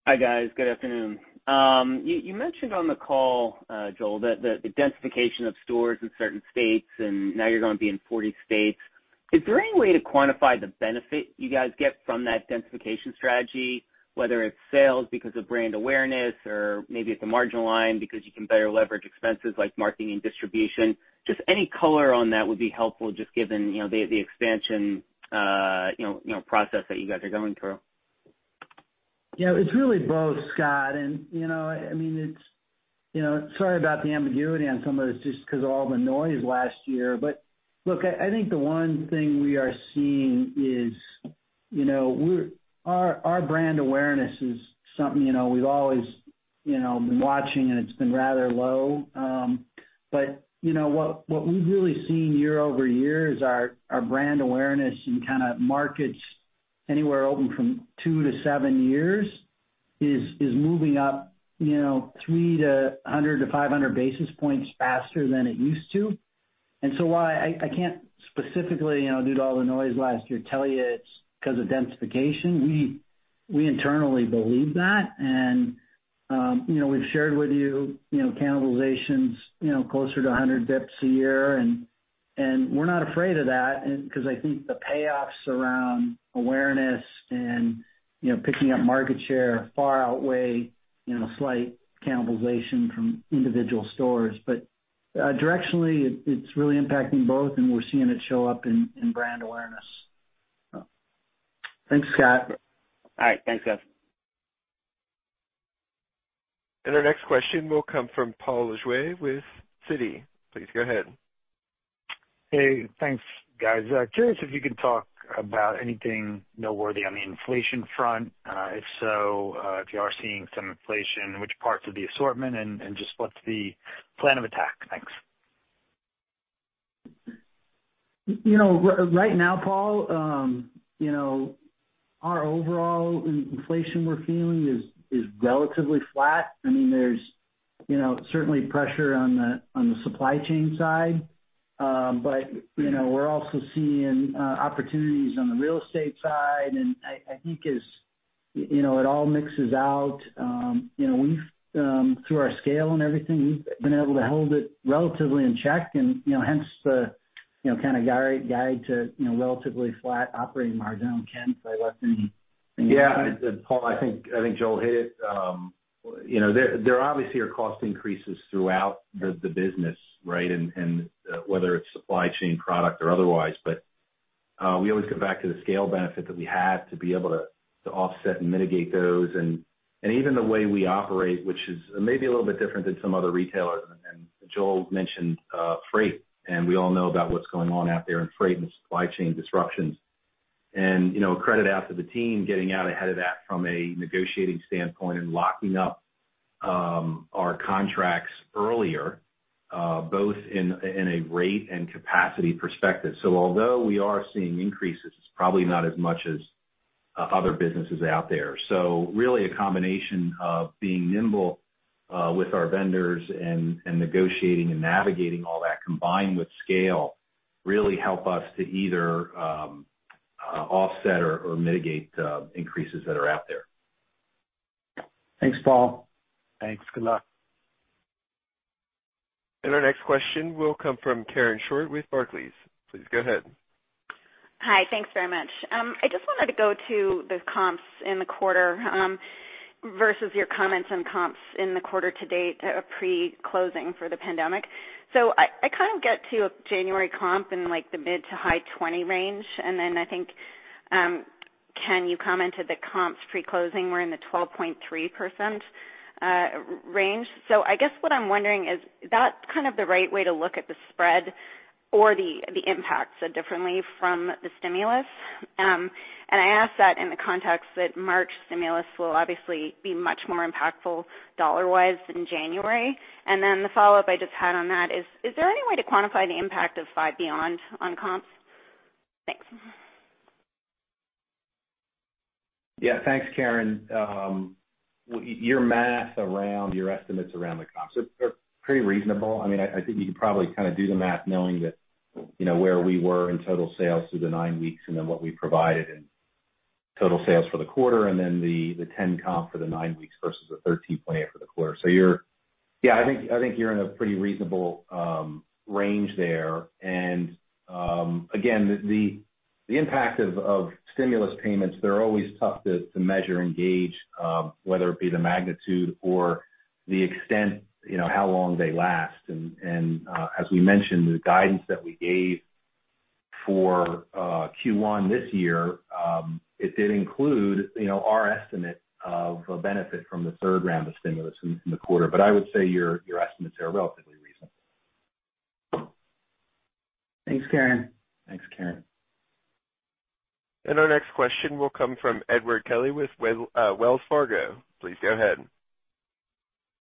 Speaker 10: Hi, guys. Good afternoon. You mentioned on the call, Joel, that the densification of stores in certain states, and now you're going to be in 40 states. Is there any way to quantify the benefit you guys get from that densification strategy, whether it's sales because of brand awareness or maybe it's a marginal line because you can better leverage expenses like marketing and distribution? Just any color on that would be helpful, just given the expansion process that you guys are going through.
Speaker 3: Yeah, it's really both, Scott. I mean, sorry about the ambiguity on some of this just because of all the noise last year. Look, I think the one thing we are seeing is our brand awareness is something we've always been watching, and it's been rather low. What we've really seen year over year is our brand awareness in kind of markets anywhere open from two to seven years is moving up three to 100 to 500 basis points faster than it used to. While I can't specifically, due to all the noise last year, tell you it's because of densification, we internally believe that. We've shared with you cannibalizations closer to 100 dips a year. We're not afraid of that because I think the payoffs around awareness and picking up market share far outweigh slight cannibalization from individual stores. Directionally, it's really impacting both, and we're seeing it show up in brand awareness. Thanks, Scott.
Speaker 10: All right. Thanks, guys.
Speaker 1: Our next question will come from Paul Lejuez with Citi. Please go ahead.
Speaker 11: Hey, thanks, guys. Curious if you can talk about anything noteworthy on the inflation front. If so, if you are seeing some inflation, which parts of the assortment, and just what's the plan of attack? Thanks.
Speaker 3: Right now, Paul, our overall inflation we're feeling is relatively flat. I mean, there's certainly pressure on the supply chain side, but we're also seeing opportunities on the real estate side. I think as it all mixes out, through our scale and everything, we've been able to hold it relatively in check, and hence the kind of guide to relatively flat operating margin. I do not care if I left anything.
Speaker 4: Yeah, Paul, I think Joel hit it. There obviously are cost increases throughout the business, right, and whether it's supply chain, product, or otherwise. We always go back to the scale benefit that we have to be able to offset and mitigate those. Even the way we operate, which is maybe a little bit different than some other retailers. Joel mentioned freight, and we all know about what is going on out there in freight and supply chain disruptions. Credit out to the team getting out ahead of that from a negotiating standpoint and locking up our contracts earlier, both in a rate and capacity perspective. Although we are seeing increases, it is probably not as much as other businesses out there. Really a combination of being nimble with our vendors and negotiating and navigating all that combined with scale really help us to either offset or mitigate increases that are out there.
Speaker 3: Thanks, Paul.
Speaker 11: Thanks. Good luck.
Speaker 1: Our next question will come from Karen Short with Barclays.
Speaker 12: Please go ahead. Hi, thanks very much. I just wanted to go to the comps in the quarter versus your comments on comps in the quarter to date pre-closing for the pandemic. I kind of get to a January comp in the mid to high 20% range. I think, Ken, you commented that comps pre-closing were in the 12.3% range. I guess what I'm wondering is, is that kind of the right way to look at the spread or the impacts differently from the stimulus? I ask that in the context that March stimulus will obviously be much more impactful dollar-wise than January. The follow-up I just had on that is, is there any way to quantify the impact of Five Beyond on comps? Thanks.
Speaker 4: Yeah, thanks, Karen. Your math around your estimates around the comps are pretty reasonable. I mean, I think you can probably kind of do the math knowing where we were in total sales through the nine weeks and then what we provided in total sales for the quarter and then the 10% comp for the nine weeks versus the 13.8% for the quarter. Yeah, I think you're in a pretty reasonable range there. Again, the impact of stimulus payments, they're always tough to measure, engage, whether it be the magnitude or the extent, how long they last. As we mentioned, the guidance that we gave for Q1 this year, it did include our estimate of benefit from the third round of stimulus in the quarter. I would say your estimates are relatively reasonable.
Speaker 3: Thanks, Karen.
Speaker 4: Thanks, Karen.
Speaker 1: Our next question will come from Edward Kelly with Wells Fargo. Please go ahead.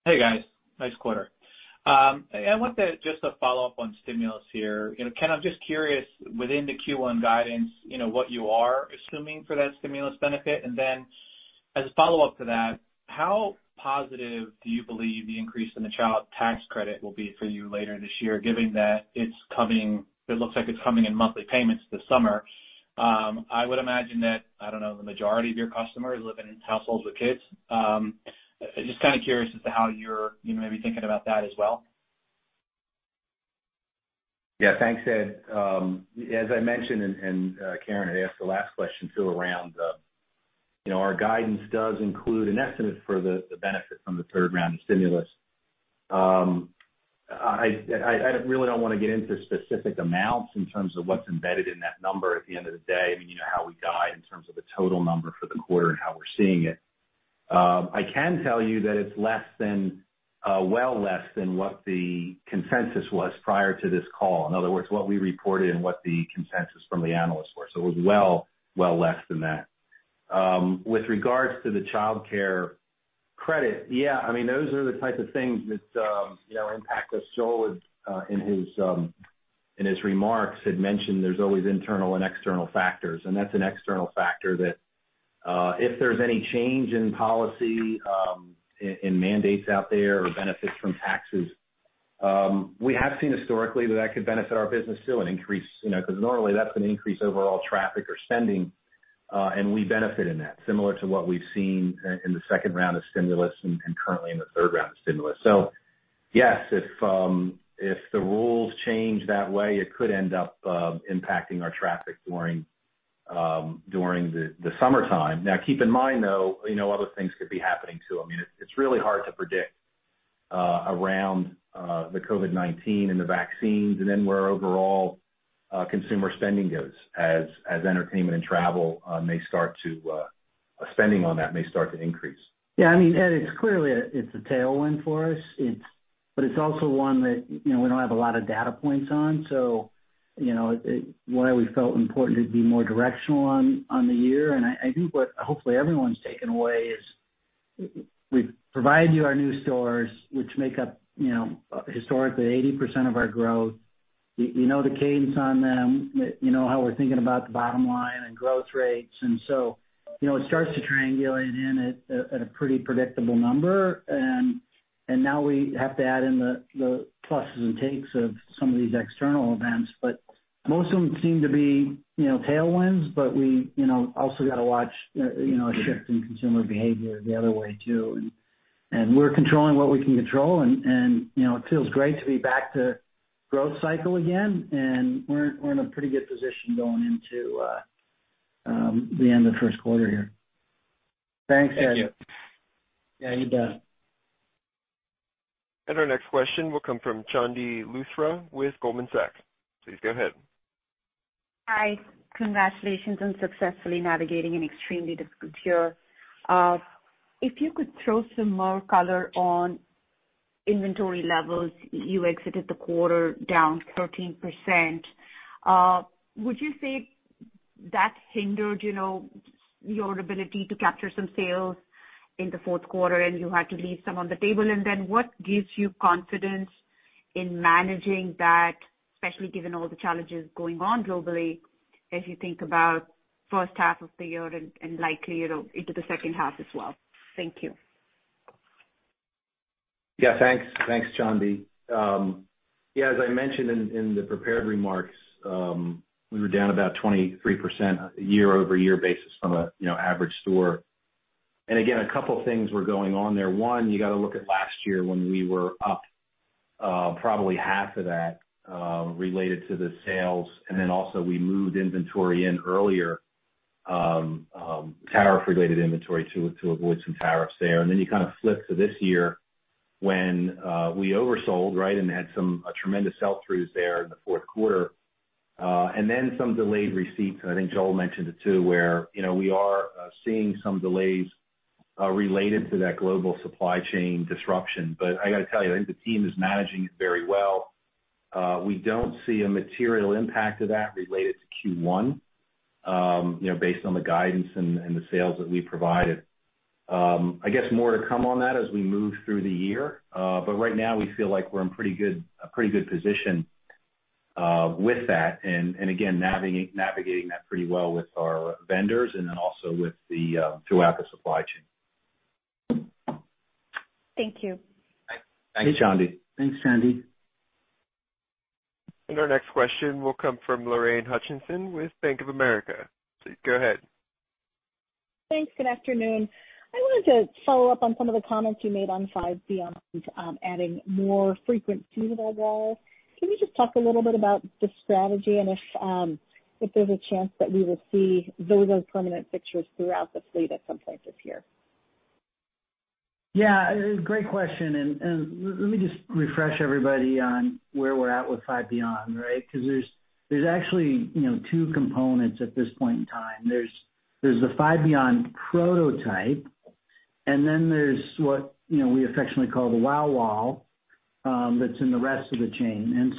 Speaker 13: Hey, guys. Nice quarter. I want to just follow up on stimulus here. Ken, I'm just curious, within the Q1 guidance, what you are assuming for that stimulus benefit? As a follow-up to that, how positive do you believe the increase in the child tax credit will be for you later this year, given that it looks like it's coming in monthly payments this summer? I would imagine that, I don't know, the majority of your customers live in households with kids. Just kind of curious as to how you're maybe thinking about that as well.
Speaker 4: Yeah, thanks, Ed. As I mentioned, and Karen had asked the last question too around our guidance, it does include an estimate for the benefits on the third round of stimulus. I really don't want to get into specific amounts in terms of what's embedded in that number at the end of the day. I mean, you know how we guide in terms of the total number for the quarter and how we're seeing it. I can tell you that it's less than, well less than what the consensus was prior to this call. In other words, what we reported and what the consensus from the analysts were. It was well, well less than that. With regards to the childcare credit, yeah, I mean, those are the type of things that impact us. Joel in his remarks had mentioned there's always internal and external factors. That is an external factor that if there's any change in policy and mandates out there or benefits from taxes, we have seen historically that that could benefit our business too and increase because normally that's going to increase overall traffic or spending. We benefit in that, similar to what we've seen in the second round of stimulus and currently in the third round of stimulus. Yes, if the rules change that way, it could end up impacting our traffic during the summertime. Now, keep in mind, though, other things could be happening too. I mean, it's really hard to predict around the COVID-19 and the vaccines and then where overall consumer spending goes as entertainment and travel may start to, spending on that may start to increase.
Speaker 3: Yeah, I mean, Ed, it's clearly a tailwind for us. But it's also one that we don't have a lot of data points on. That's why we felt it important to be more directional on the year. I think what hopefully everyone's taken away is we've provided you our new stores, which make up historically 80% of our growth. You know the cadence on them. You know how we're thinking about the bottom line and growth rates. It starts to triangulate in at a pretty predictable number. Now we have to add in the pluses and takes of some of these external events. Most of them seem to be tailwinds, but we also got to watch a shift in consumer behavior the other way too. We're controlling what we can control. It feels great to be back to growth cycle again. We're in a pretty good position going into the end of the first quarter here. Thanks, Ed.
Speaker 13: Thank you.
Speaker 3: Yeah, you bet.
Speaker 2: Our next question will come from Chandni Luthra with Goldman Sachs. Please go ahead.
Speaker 14: Hi. Congratulations on successfully navigating an extremely difficult year. If you could throw some more color on inventory levels, you exited the quarter down 13%. Would you say that hindered your ability to capture some sales in the fourth quarter and you had to leave some on the table? What gives you confidence in managing that, especially given all the challenges going on globally as you think about first half of the year and likely into the second half as well? Thank you.
Speaker 4: Yeah, thanks. Thanks, Chandni. Yeah, as I mentioned in the prepared remarks, we were down about 23% year-over-year basis from an average store. Again, a couple of things were going on there. One, you got to look at last year when we were up probably half of that related to the sales. Also, we moved inventory in earlier, tariff-related inventory to avoid some tariffs there. You kind of flip to this year when we oversold, right, and had some tremendous sell-throughs there in the fourth quarter. Then some delayed receipts. I think Joel mentioned it too, where we are seeing some delays related to that global supply chain disruption. I got to tell you, I think the team is managing it very well. We do not see a material impact of that related to Q1 based on the guidance and the sales that we provided. I guess more to come on that as we move through the year. Right now, we feel like we are in a pretty good position with that. Again, navigating that pretty well with our vendors and also throughout the supply chain.
Speaker 14: Thank you.
Speaker 3: Thanks, Chandni. Our next question will come from Lorraine Hutchinson with Bank of America. Please go ahead. Thanks.
Speaker 15: Good afternoon. I wanted to follow up on some of the comments you made on Five Beyond adding more frequent seasonal drawers. Can we just talk a little bit about the strategy and if there's a chance that we will see those as permanent fixtures throughout the fleet at some point this year?
Speaker 3: Yeah, great question. Let me just refresh everybody on where we're at with Five Beyond, right? Because there's actually two components at this point in time. There's the Five Beyond prototype, and then there's what we affectionately call the wow wall that's in the rest of the chain.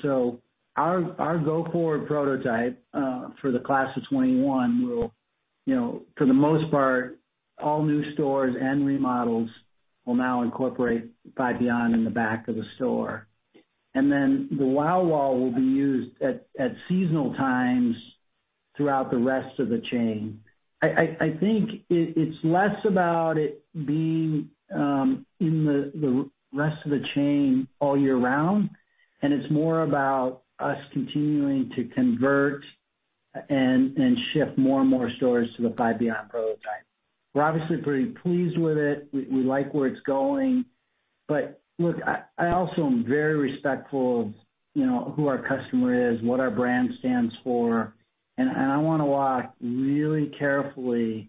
Speaker 3: Our go-forward prototype for the class of 2021 will, for the most part, all new stores and remodels will now incorporate Five Beyond in the back of the store. The wow wall will be used at seasonal times throughout the rest of the chain. I think it's less about it being in the rest of the chain all year round, and it's more about us continuing to convert and shift more and more stores to the Five Beyond prototype. We're obviously pretty pleased with it. We like where it's going. I also am very respectful of who our customer is, what our brand stands for. I want to walk really carefully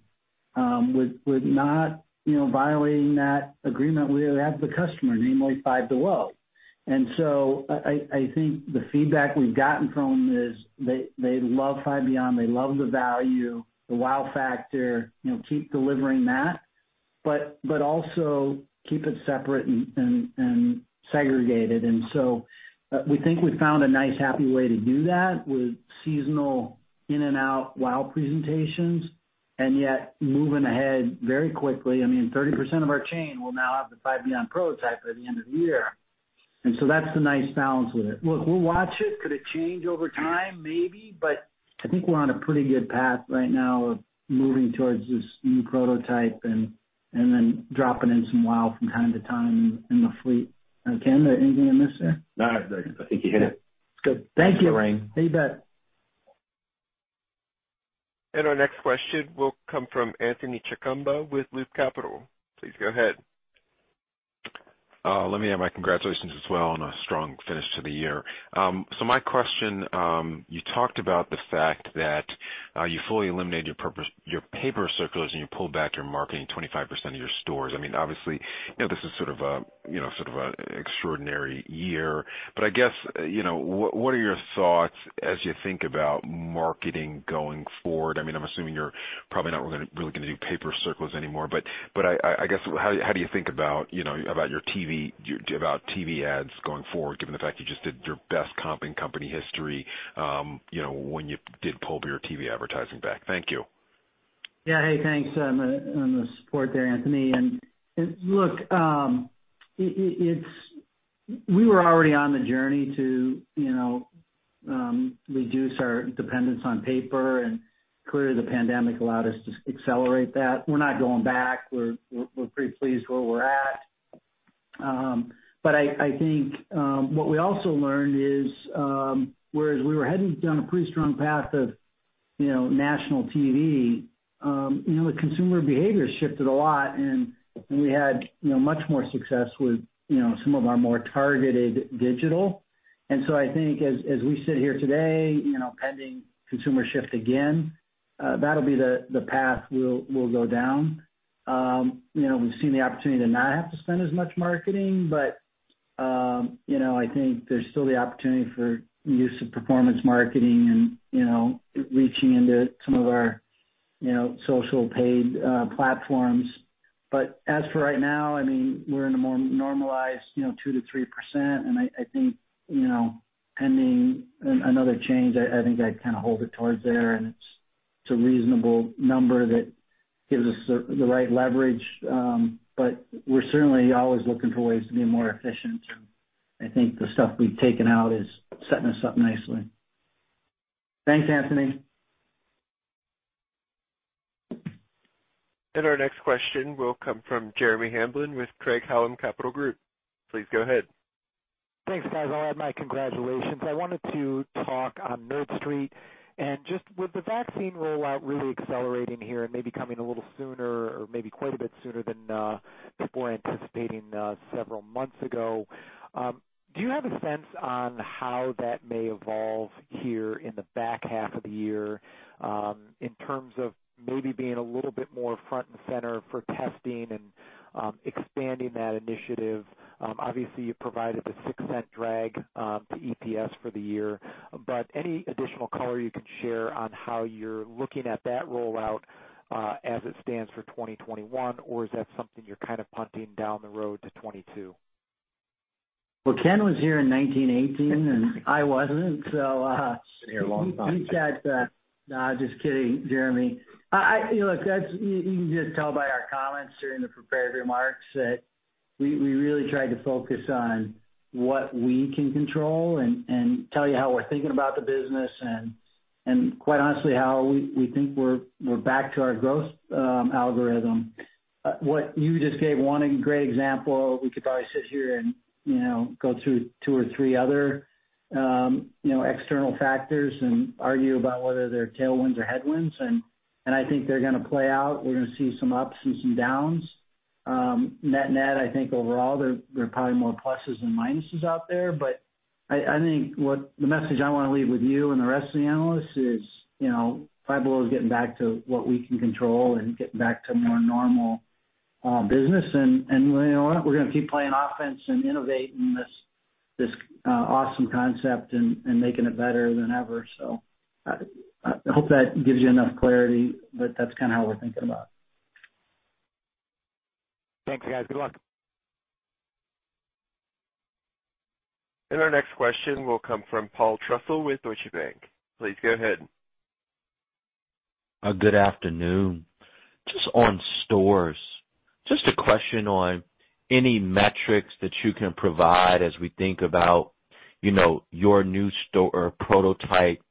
Speaker 3: with not violating that agreement we have with the customer, namely Five Below. I think the feedback we've gotten from them is they love Five Beyond. They love the value, the wow factor, keep delivering that, but also keep it separate and segregated. We think we found a nice, happy way to do that with seasonal in-and-out wow presentations and yet moving ahead very quickly. I mean, 30% of our chain will now have the Five Beyond prototype by the end of the year. That is the nice balance with it. Look, we'll watch it. Could it change over time? Maybe. I think we're on a pretty good path right now of moving towards this new prototype and then dropping in some wow from time to time in the fleet. Ken, anything I missed there? No, I think you hit it. Good. Thank you. Thanks, Lorraine. You bet.
Speaker 1: Our next question will come from Anthony Chukumba with Loop Capital. Please go ahead.
Speaker 16: Let me add my congratulations as well on a strong finish to the year. My question, you talked about the fact that you fully eliminated your paper circulars and you pulled back your marketing 25% of your stores. I mean, obviously, this is sort of an extraordinary year. I guess, what are your thoughts as you think about marketing going forward? I mean, I'm assuming you're probably not really going to do paper circulars anymore. I guess, how do you think about your TV ads going forward, given the fact you just did your best comp in company history when you did pull your TV advertising back? Thank you.
Speaker 3: Yeah. Hey, thanks. I appreciate the support there, Anthony. Look, we were already on the journey to reduce our dependence on paper. Clearly, the pandemic allowed us to accelerate that. We're not going back. We're pretty pleased where we're at. I think what we also learned is, whereas we were heading down a pretty strong path of national TV, the consumer behavior shifted a lot. We had much more success with some of our more targeted digital. I think as we sit here today, pending consumer shift again, that'll be the path we'll go down. We've seen the opportunity to not have to spend as much marketing. I think there's still the opportunity for use of performance marketing and reaching into some of our social paid platforms. As for right now, I mean, we're in a more normalized 2-3%. I think pending another change, I'd kind of hold it towards there. It's a reasonable number that gives us the right leverage. We're certainly always looking for ways to be more efficient. I think the stuff we've taken out is setting us up nicely. Thanks, Anthony.
Speaker 1: Our next question will come from Jeremy Hamblin with Craig-Hallum Capital Group.
Speaker 17: Please go ahead. Thanks, guys. I'll add my congratulations. I wanted to talk on Nerd Street and just with the vaccine rollout really accelerating here and maybe coming a little sooner or maybe quite a bit sooner than people were anticipating several months ago. Do you have a sense on how that may evolve here in the back half of the year in terms of maybe being a little bit more front and center for testing and expanding that initiative? Obviously, you provided the $0.06 drag to EPS for the year. Any additional color you can share on how you're looking at that rollout as it stands for 2021, or is that something you're kind of punting down the road to 2022?
Speaker 3: Ken was here in 1918, and I wasn't. He's been here a long time. No, I'm just kidding, Jeremy. Look, you can just tell by our comments during the prepared remarks that we really tried to focus on what we can control and tell you how we're thinking about the business and, quite honestly, how we think we're back to our growth algorithm. What you just gave one great example. We could probably sit here and go through two or three other external factors and argue about whether they're tailwinds or headwinds. I think they're going to play out. We're going to see some ups and some downs. Net-net, I think overall, there are probably more pluses than minuses out there. I think the message I want to leave with you and the rest of the analysts is Five Below is getting back to what we can control and getting back to more normal business. We're going to keep playing offense and innovating this awesome concept and making it better than ever. I hope that gives you enough clarity, but that's kind of how we're thinking about it.
Speaker 17: Thanks, guys. Good luck.
Speaker 1: Our next question will come from Paul Trussell with Deutsche Bank. Please go ahead.
Speaker 18: Good afternoon. Just on stores. Just a question on any metrics that you can provide as we think about your new store prototype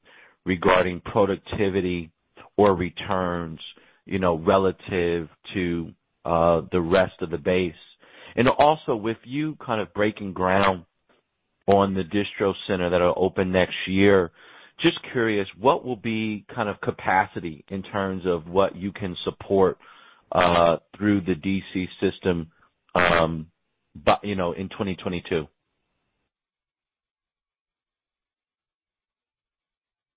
Speaker 18: regarding productivity or returns relative to the rest of the base. Also, with you kind of breaking ground on the distro center that will open next year, just curious, what will be kind of capacity in terms of what you can support through the DC system in 2022?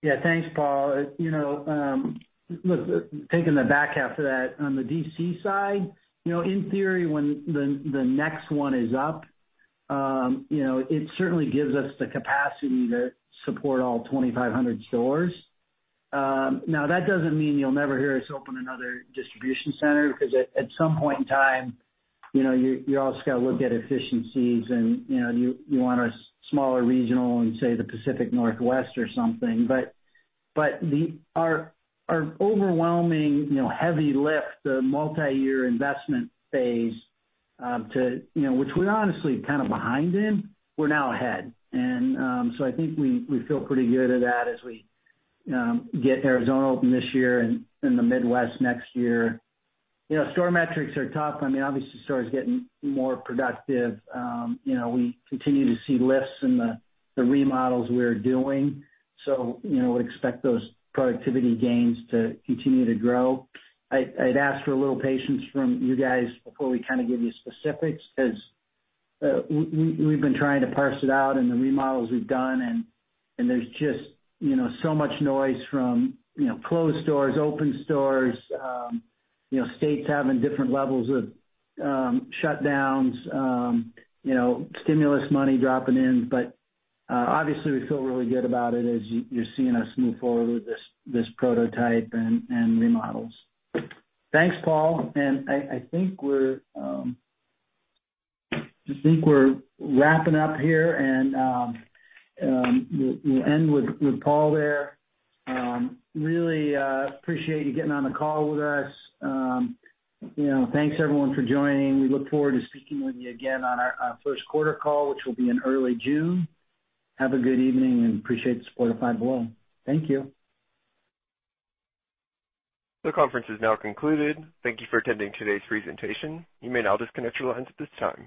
Speaker 3: Yeah, thanks, Paul. Look, taking the back half of that, on the DC side, in theory, when the next one is up, it certainly gives us the capacity to support all 2,500 stores. Now, that does not mean you'll never hear us open another distribution center because at some point in time, you're also going to look at efficiencies, and you want a smaller regional in, say, the Pacific Northwest or something. Our overwhelming heavy lift, the multi-year investment phase, which we're honestly kind of behind in, we're now ahead. I think we feel pretty good at that as we get Arizona open this year and the Midwest next year. Store metrics are tough. I mean, obviously, stores are getting more productive. We continue to see lifts in the remodels we're doing. We expect those productivity gains to continue to grow. I'd ask for a little patience from you guys before we kind of give you specifics because we've been trying to parse it out in the remodels we've done. There's just so much noise from closed stores, open stores, states having different levels of shutdowns, stimulus money dropping in. Obviously, we feel really good about it as you're seeing us move forward with this prototype and remodels. Thanks, Paul. I think we're wrapping up here. We'll end with Paul there. Really appreciate you getting on the call with us. Thanks, everyone, for joining. We look forward to speaking with you again on our first quarter call, which will be in early June. Have a good evening and appreciate the support of Five Below. Thank you.
Speaker 1: The conference is now concluded. Thank you for attending today's presentation. You may now disconnect your lines at this time.